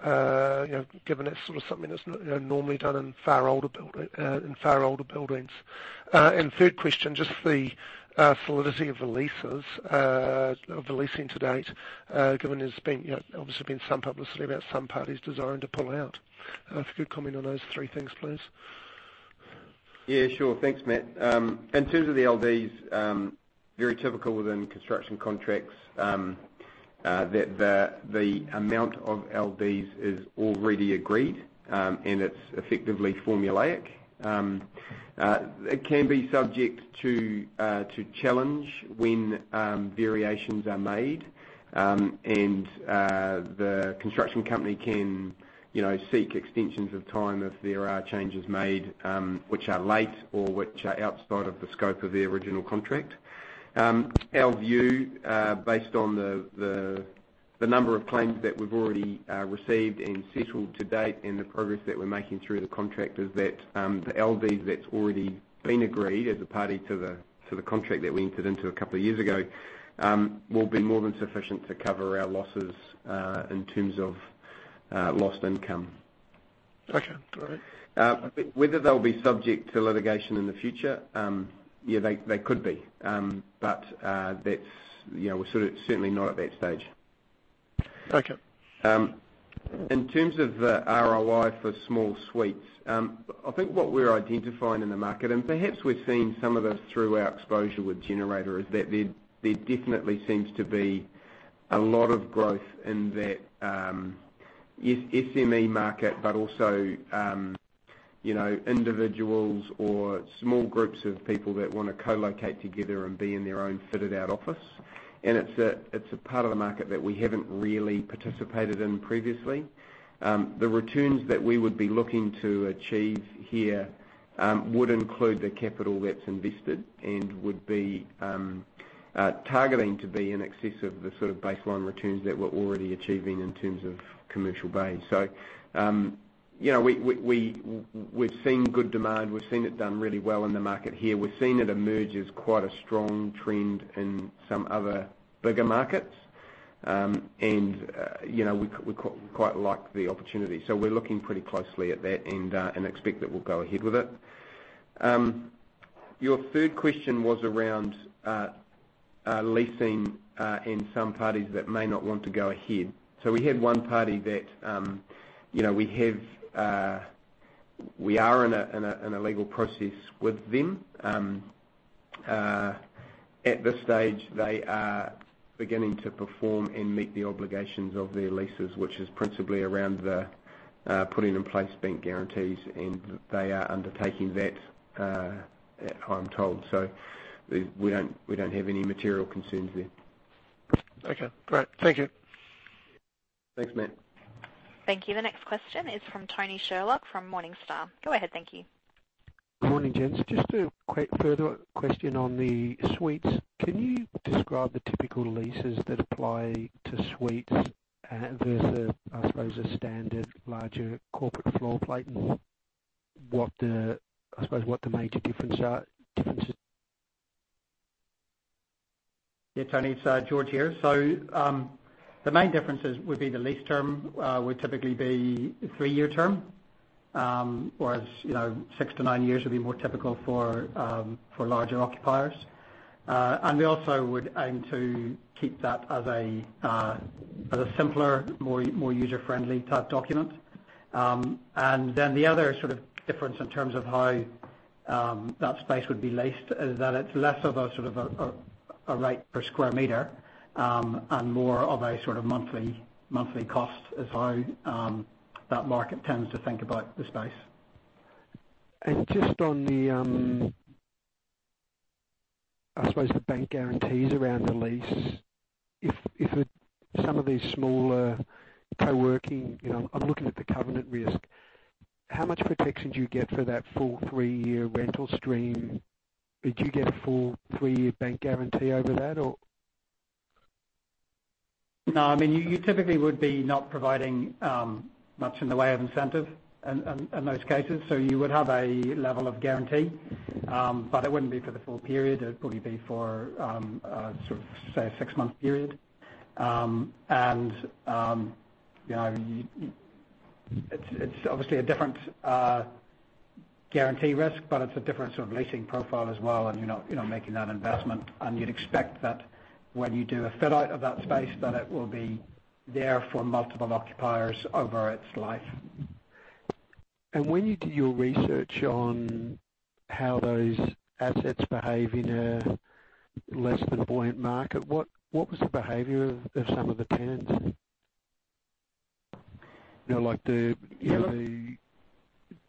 given it's something that's not normally done in far older buildings. Third question, just the solidity of the leases, of the leasing to date, given there's obviously been some publicity about some parties desiring to pull out. If you could comment on those three things, please. Yeah, sure. Thanks, Matt. In terms of the LDs, very typical within construction contracts, that the amount of LDs is already agreed, and it's effectively formulaic. It can be subject to challenge when variations are made. The construction company can seek extensions of time if there are changes made, which are late or which are outside of the scope of the original contract. Our view, based on the number of claims that we've already received and settled to date and the progress that we're making through the contract, is that the LD that's already been agreed as a party to the contract that we entered into a couple of years ago, will be more than sufficient to cover our losses, in terms of lost income. Okay, all right. Whether they'll be subject to litigation in the future, yeah, they could be. We're certainly not at that stage. Okay. In terms of the ROI for small suites, I think what we're identifying in the market, perhaps we've seen some of this through our exposure with Generator, is that there definitely seems to be a lot of growth in that SME market, but also individuals or small groups of people that want to co-locate together and be in their own fitted out office. It's a part of the market that we haven't really participated in previously. The returns that we would be looking to achieve here would include the capital that's invested and would be targeting to be in excess of the baseline returns that we're already achieving in terms of commercial base. We've seen good demand. We've seen it done really well in the market here. We've seen it emerge as quite a strong trend in some other bigger markets. We quite like the opportunity. We're looking pretty closely at that and expect that we'll go ahead with it. Your third question was around leasing and some parties that may not want to go ahead. We had one party that we are in a legal process with them. At this stage, they are beginning to perform and meet the obligations of their leases, which is principally around the putting in place bank guarantees, and they are undertaking that, I'm told. We don't have any material concerns there. Okay, great. Thank you. Thanks, Matt. Thank you. The next question is from Tony Sherlock from Morningstar. Go ahead. Thank you. Morning, gents. Just a quick further question on the suites. Can you describe the typical leases that apply to suites versus, I suppose, a standard larger corporate floor plate? I suppose, what the major differences are? Yeah, Tony, it's George here. The main differences would be the lease term would typically be a 3-year term, whereas 6-9 years would be more typical for larger occupiers. We also would aim to keep that as a simpler, more user-friendly type document. The other difference in terms of how that space would be leased is that it's less of a rate per square meter, and more of a monthly cost is how that market tends to think about the space. Just on the, I suppose, the bank guarantees around the lease. If some of these smaller co-working, I'm looking at the covenant risk, how much protection do you get for that full 3-year rental stream? Do you get a full 3-year bank guarantee over that, or? No, you typically would be not providing much in the way of incentive in those cases. You would have a level of guarantee, but it wouldn't be for the full period. It would probably be for, say, a six-month period. It's obviously a different guarantee risk, but it's a different sort of leasing profile as well, and you're not making that investment. You would expect that when you do a fit-out of that space, that it will be there for multiple occupiers over its life. When you do your research on how those assets behave in a less than buoyant market, what was the behavior of some of the tenants?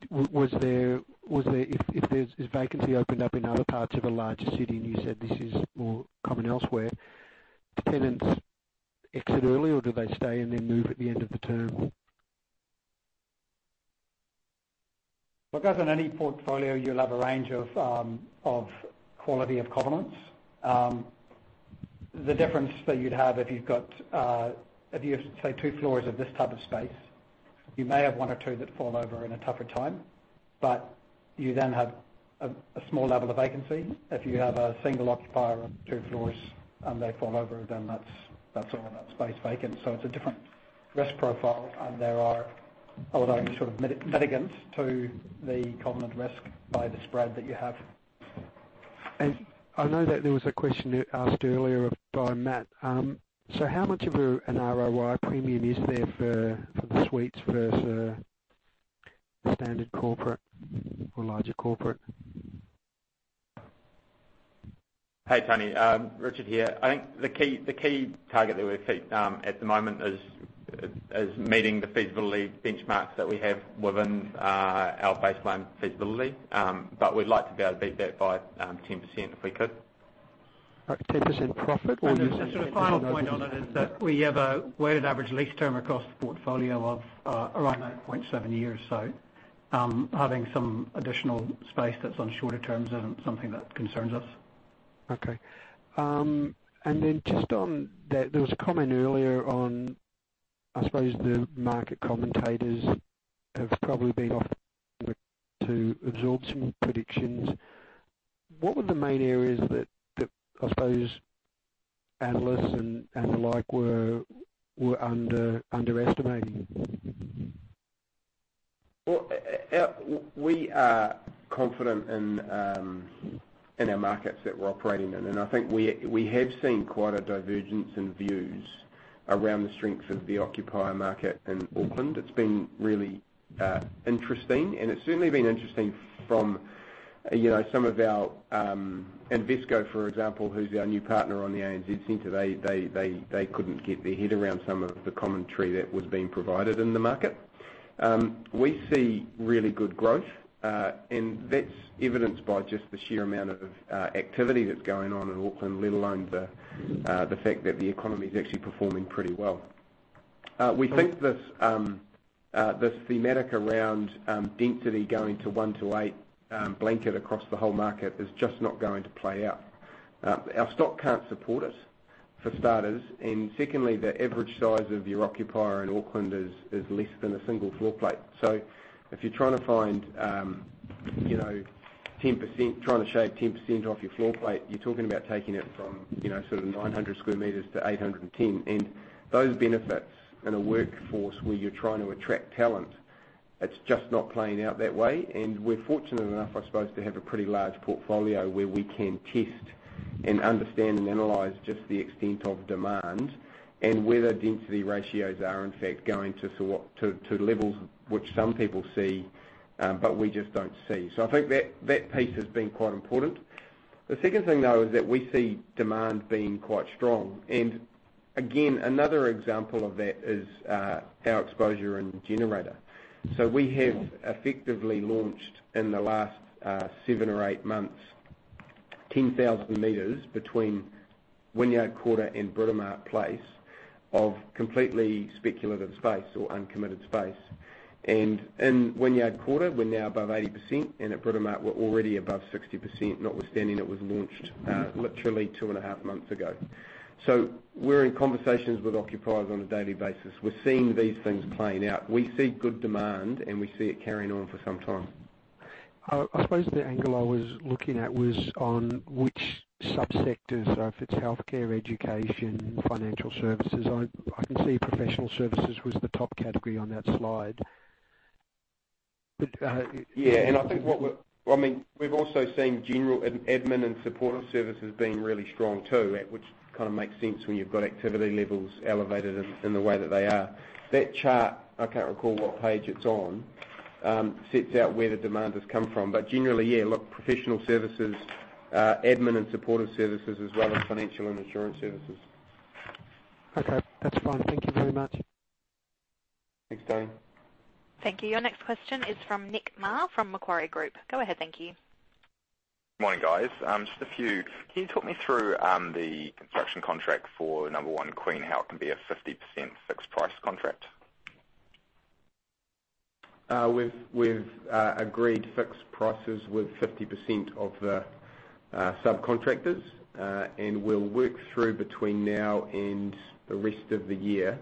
If vacancy opened up in other parts of a larger city, and you said this is more common elsewhere, do tenants exit early, or do they stay and then move at the end of the term? Well, as in any portfolio, you'll have a range of quality of covenants. The difference that you'd have if you've got, say, two floors of this type of space, you may have one or two that fall over in a tougher time, but you then have a small level of vacancy. If you have a single occupier on two floors and they fall over, then all of that space vacant. It's a different risk profile, and there are although sort of mitigants to the covenant risk by the spread that you have. I know that there was a question asked earlier by Matt. How much of an ROI premium is there for the suites versus standard corporate or larger corporate? Hey, Tony. Richard here. I think the key target that we seek at the moment is meeting the feasibility benchmarks that we have within our baseline feasibility. We'd like to be able to beat that by 10% if we could. Okay, 10% profit or? Just a final point on it is that we have a weighted average lease term across the portfolio of around 8.7 years. Having some additional space that's on shorter terms isn't something that concerns us. Okay. Just on that, there was a comment earlier on, I suppose the market commentators have probably been off to absorb some predictions. What were the main areas that, I suppose, analysts and the like were underestimating? Well, we are confident in our markets that we're operating in. I think we have seen quite a divergence in views around the strength of the occupier market in Auckland. It's been really interesting, and it's certainly been interesting from some of our, Invesco, for example, who's our new partner on the ANZ Centre, they couldn't get their head around some of the commentary that was being provided in the market. We see really good growth, and that's evidenced by just the sheer amount of activity that's going on in Auckland, let alone the fact that the economy is actually performing pretty well. We think this thematic around density going to one to eight blanket across the whole market is just not going to play out. Our stock can't support it, for starters, secondly, the average size of your occupier in Auckland is less than a single floor plate. If you're trying to shave 10% off your floor plate, you're talking about taking it from 900 sq m to 810. Those benefits in a workforce where you're trying to attract talent, it's just not playing out that way. We're fortunate enough, I suppose, to have a pretty large portfolio where we can test and understand and analyze just the extent of demand and whether density ratios are in fact going to levels which some people see, but we just don't see. I think that piece has been quite important. The second thing, though, is that we see demand being quite strong, and again, another example of that is our exposure in Generator. We have effectively launched in the last seven or eight months, 10,000 sq m between Wynyard Quarter and Britomart Place of completely speculative space or uncommitted space. In Wynyard Quarter, we're now above 80%, and at Britomart, we're already above 60%, notwithstanding it was launched literally two and a half months ago. We're in conversations with occupiers on a daily basis. We're seeing these things playing out. We see good demand, we see it carrying on for some time. I suppose the angle I was looking at was on which sub-sectors, if it's healthcare, education, financial services. I can see professional services was the top category on that slide. Yeah, I think we've also seen general admin and supportive services being really strong, too, which kind of makes sense when you've got activity levels elevated in the way that they are. That chart, I can't recall what page it's on, sets out where the demand has come from. Generally, yeah, look, professional services, admin and supportive services as well as financial and insurance services. Okay, that's fine. Thank you very much. Thanks, Tony. Thank you. Your next question is from Nick Mar from Macquarie Group. Go ahead. Thank you. Morning, guys. Just a few. Can you talk me through the construction contract for Number One Queen, how it can be a 50% fixed price contract? We've agreed fixed prices with 50% of the subcontractors. We'll work through between now and the rest of the year,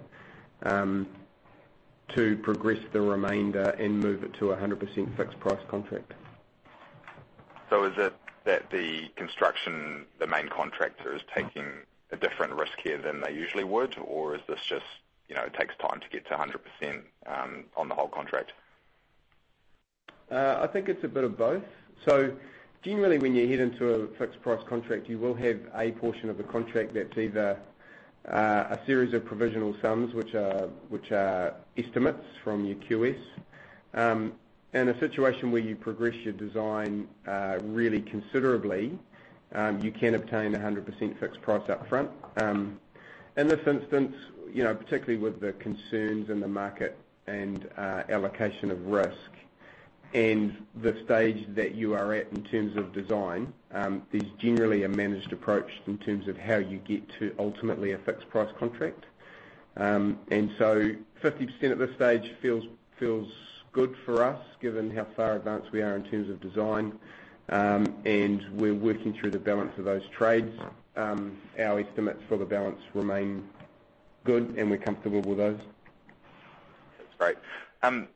to progress the remainder and move it to 100% fixed price contract. Is it that the construction, the main contractor, is taking a different risk here than they usually would? Or is this just, it takes time to get to 100% on the whole contract? I think it's a bit of both. Generally, when you head into a fixed price contract, you will have a portion of the contract that's either a series of provisional sums, which are estimates from your QS. In a situation where you progress your design really considerably, you can obtain 100% fixed price up front. In this instance, particularly with the concerns in the market and allocation of risk and the stage that you are at in terms of design, there's generally a managed approach in terms of how you get to ultimately a fixed price contract. 50% at this stage feels good for us given how far advanced we are in terms of design. We're working through the balance of those trades. Our estimates for the balance remain good, and we're comfortable with those. That's great.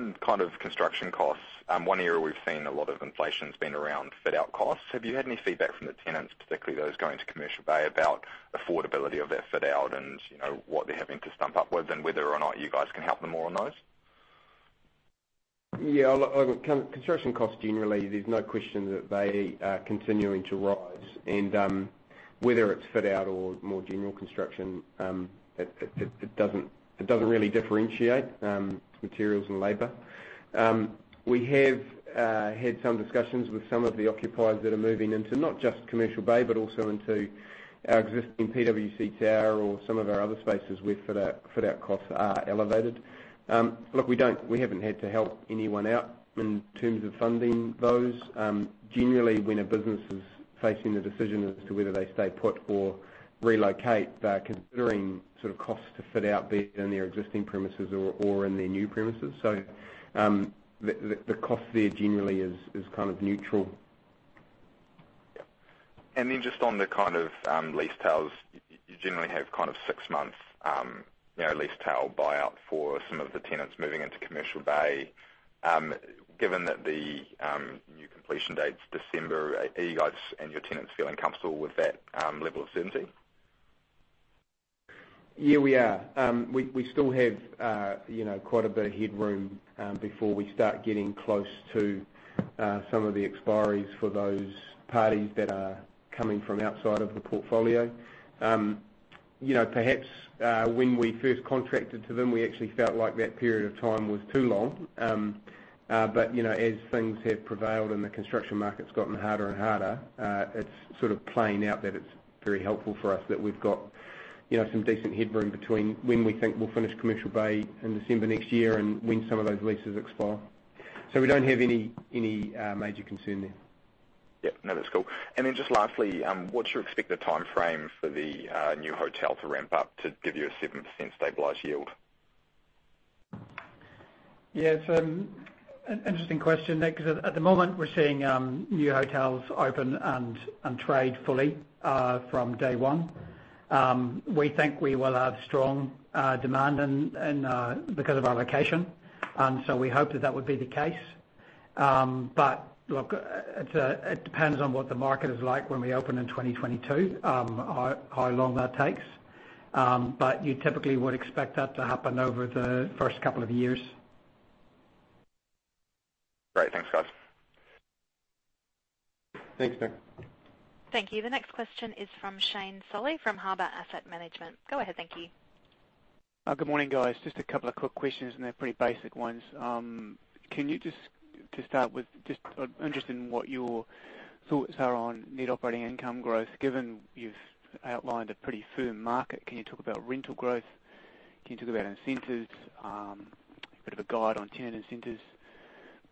On construction costs, one area we've seen a lot of inflation has been around fit-out costs. Have you had any feedback from the tenants, particularly those going to Commercial Bay, about affordability of that fit-out and what they're having to stump up with and whether or not you guys can help them more on those? Yeah. Look, construction costs, generally, there's no question that they are continuing to rise. Whether it's fit-out or more general construction, it doesn't really differentiate materials and labor. We have had some discussions with some of the occupiers that are moving into not just Commercial Bay, but also into our existing PwC Tower or some of our other spaces where fit-out costs are elevated. Look, we haven't had to help anyone out in terms of funding those. Generally, when a business is facing a decision as to whether they stay put or relocate, they are considering costs to fit out be it in their existing premises or in their new premises. The cost there generally is kind of neutral. Yeah. Just on the lease tails, you generally have six months lease tail buyout for some of the tenants moving into Commercial Bay. Given that the new completion date's December, are you guys and your tenants feeling comfortable with that level of certainty? Yeah, we are. We still have quite a bit of headroom before we start getting close to some of the expiries for those parties that are coming from outside of the portfolio. Perhaps when we first contracted to them, we actually felt like that period of time was too long. As things have prevailed and the construction market's gotten harder and harder, it's playing out that it's very helpful for us that we've got some decent headroom between when we think we'll finish Commercial Bay in December next year and when some of those leases expire. We don't have any major concern there. Yeah. No, that's cool. Just lastly, what's your expected timeframe for the new hotel to ramp up to give you a 7% stabilized yield? Yeah. It's an interesting question, Nick, because at the moment, we're seeing new hotels open and trade fully from day one. We think we will have strong demand because of our location, we hope that that would be the case. Look, it depends on what the market is like when we open in 2022, how long that takes. You typically would expect that to happen over the first couple of years. Great. Thanks, guys. Thanks, Nick. Thank you. The next question is from Shane Solly from Harbour Asset Management. Go ahead. Thank you. Good morning, guys. Just a couple of quick questions, they're pretty basic ones. To start with, just interested in what your thoughts are on net operating income growth, given you've outlined a pretty firm market. Can you talk about rental growth? Can you talk about incentives, a bit of a guide on tenant incentives?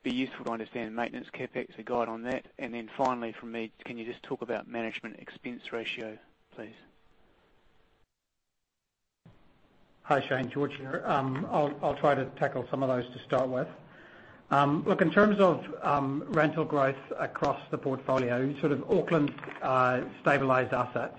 Be useful to understand maintenance, CapEx, a guide on that. Then finally from me, can you just talk about management expense ratio, please? Hi, Shane. George here. I'll try to tackle some of those to start with. Look, in terms of rental growth across the portfolio, Auckland stabilized assets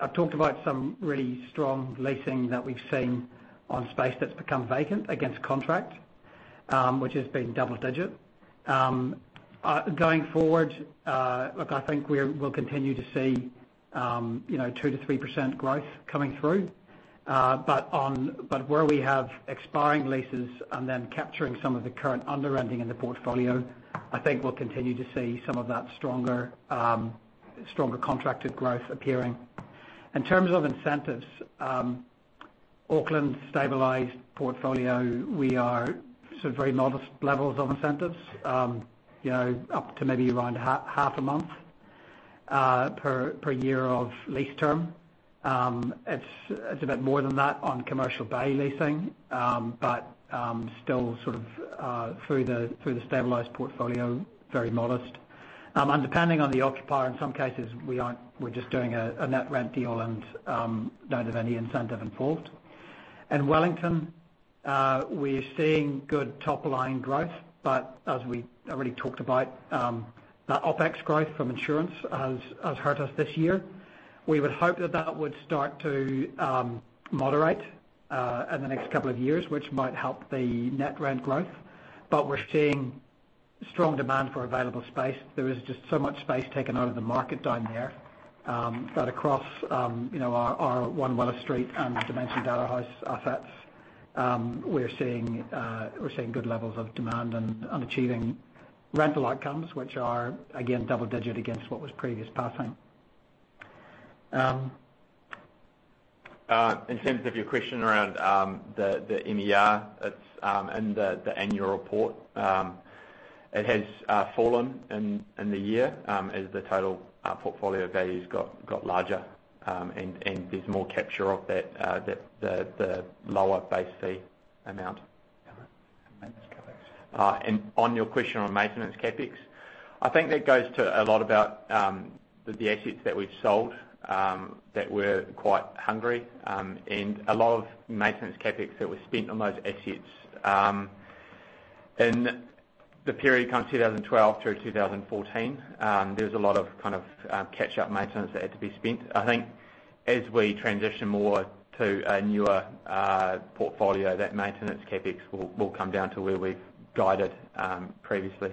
I've talked about some really strong leasing that we've seen on space that's become vacant against contract, which has been double digit. Going forward, look, I think we'll continue to see 2%-3% growth coming through. Where we have expiring leases and then capturing some of the current under renting in the portfolio, I think we'll continue to see some of that stronger contracted growth appearing. In terms of incentives, Auckland stabilized portfolio, we are sort of very modest levels of incentives, up to maybe around half a month per year of lease term. It's a bit more than that on Commercial Bay leasing. Still sort of, through the stabilized portfolio, very modest. Depending on the occupier, in some cases, we're just doing a net rent deal and don't have any incentive involved. In Wellington, we are seeing good top-line growth, but as we already talked about, that OpEx growth from insurance has hurt us this year. We would hope that that would start to moderate in the next couple of years, which might help the net rent growth. We're seeing strong demand for available space. There is just so much space taken out of the market down there. Across our One Willis Street and Dimension Data House assets, we're seeing good levels of demand and achieving rental outcomes which are, again, double digit against what was previous passing. In terms of your question around the MER, it's in the annual report. It has fallen in the year as the total portfolio value's got larger, and there's more capture of the lower base fee amount. Maintenance CapEx. On your question on maintenance CapEx, I think that goes to a lot about the assets that we've sold that were quite hungry, and a lot of maintenance CapEx that was spent on those assets. In the period kind of 2012 through 2014, there was a lot of catch-up maintenance that had to be spent. I think as we transition more to a newer portfolio, that maintenance CapEx will come down to where we've guided previously.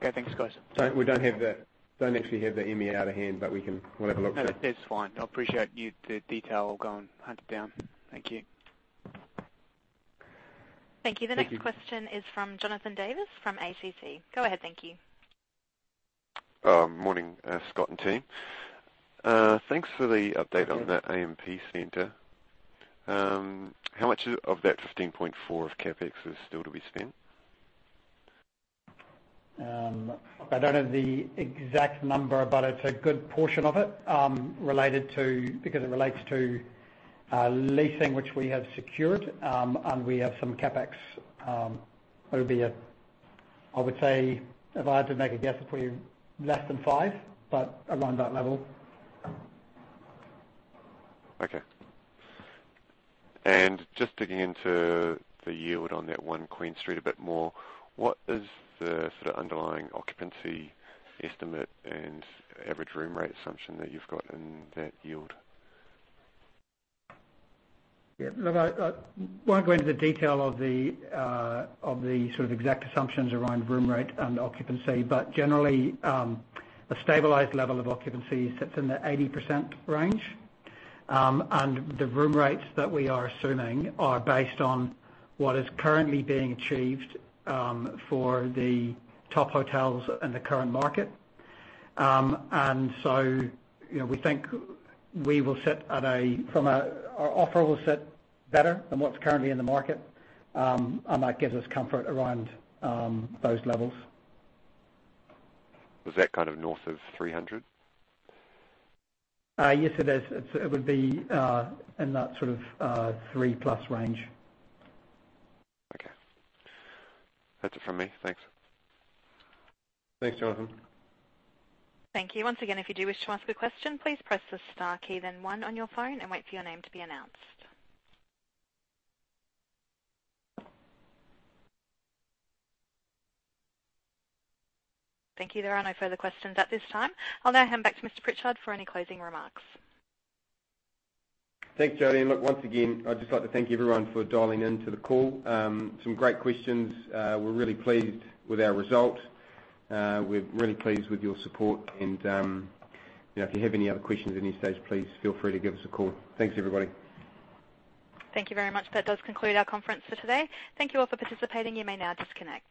Okay, thanks, guys. We don't actually have the MER at hand. No, that's fine. I appreciate the detail. I'll go and hunt it down. Thank you. Thank you. The next question is from Jonathan Davis from ACC. Go ahead. Thank you. Morning, Scott and team. Morning. Thanks for the update on that AMP Centre. How much of that 15.4 of CapEx is still to be spent? I don't know the exact number, but it's a good portion of it, because it relates to leasing which we have secured. We have some CapEx, albeit, I would say, if I had to make a guess, probably less than five, but around that level. Okay. Just digging into the yield on that One Queen Street a bit more, what is the sort of underlying occupancy estimate and average room rate assumption that you've got in that yield? Yeah. Look, I won't go into the detail of the exact assumptions around room rate and occupancy. Generally, a stabilized level of occupancy sits in the 80% range. The room rates that we are assuming are based on what is currently being achieved for the top hotels in the current market. We think our offer will sit better than what's currently in the market, and that gives us comfort around those levels. Was that kind of north of 300? Yes, it is. It would be in that three-plus range. Okay. That's it from me. Thanks. Thanks, Jonathan. Thank you. Once again, if you do wish to ask a question, please press the star key then one on your phone and wait for your name to be announced. Thank you. There are no further questions at this time. I'll now hand back to Mr. Pritchard for any closing remarks. Thanks, Jodie. Look, once again, I'd just like to thank everyone for dialing into the call. Some great questions. We're really pleased with our result. We're really pleased with your support and if you have any other questions at any stage, please feel free to give us a call. Thanks, everybody. Thank you very much. That does conclude our conference for today. Thank you all for participating. You may now disconnect.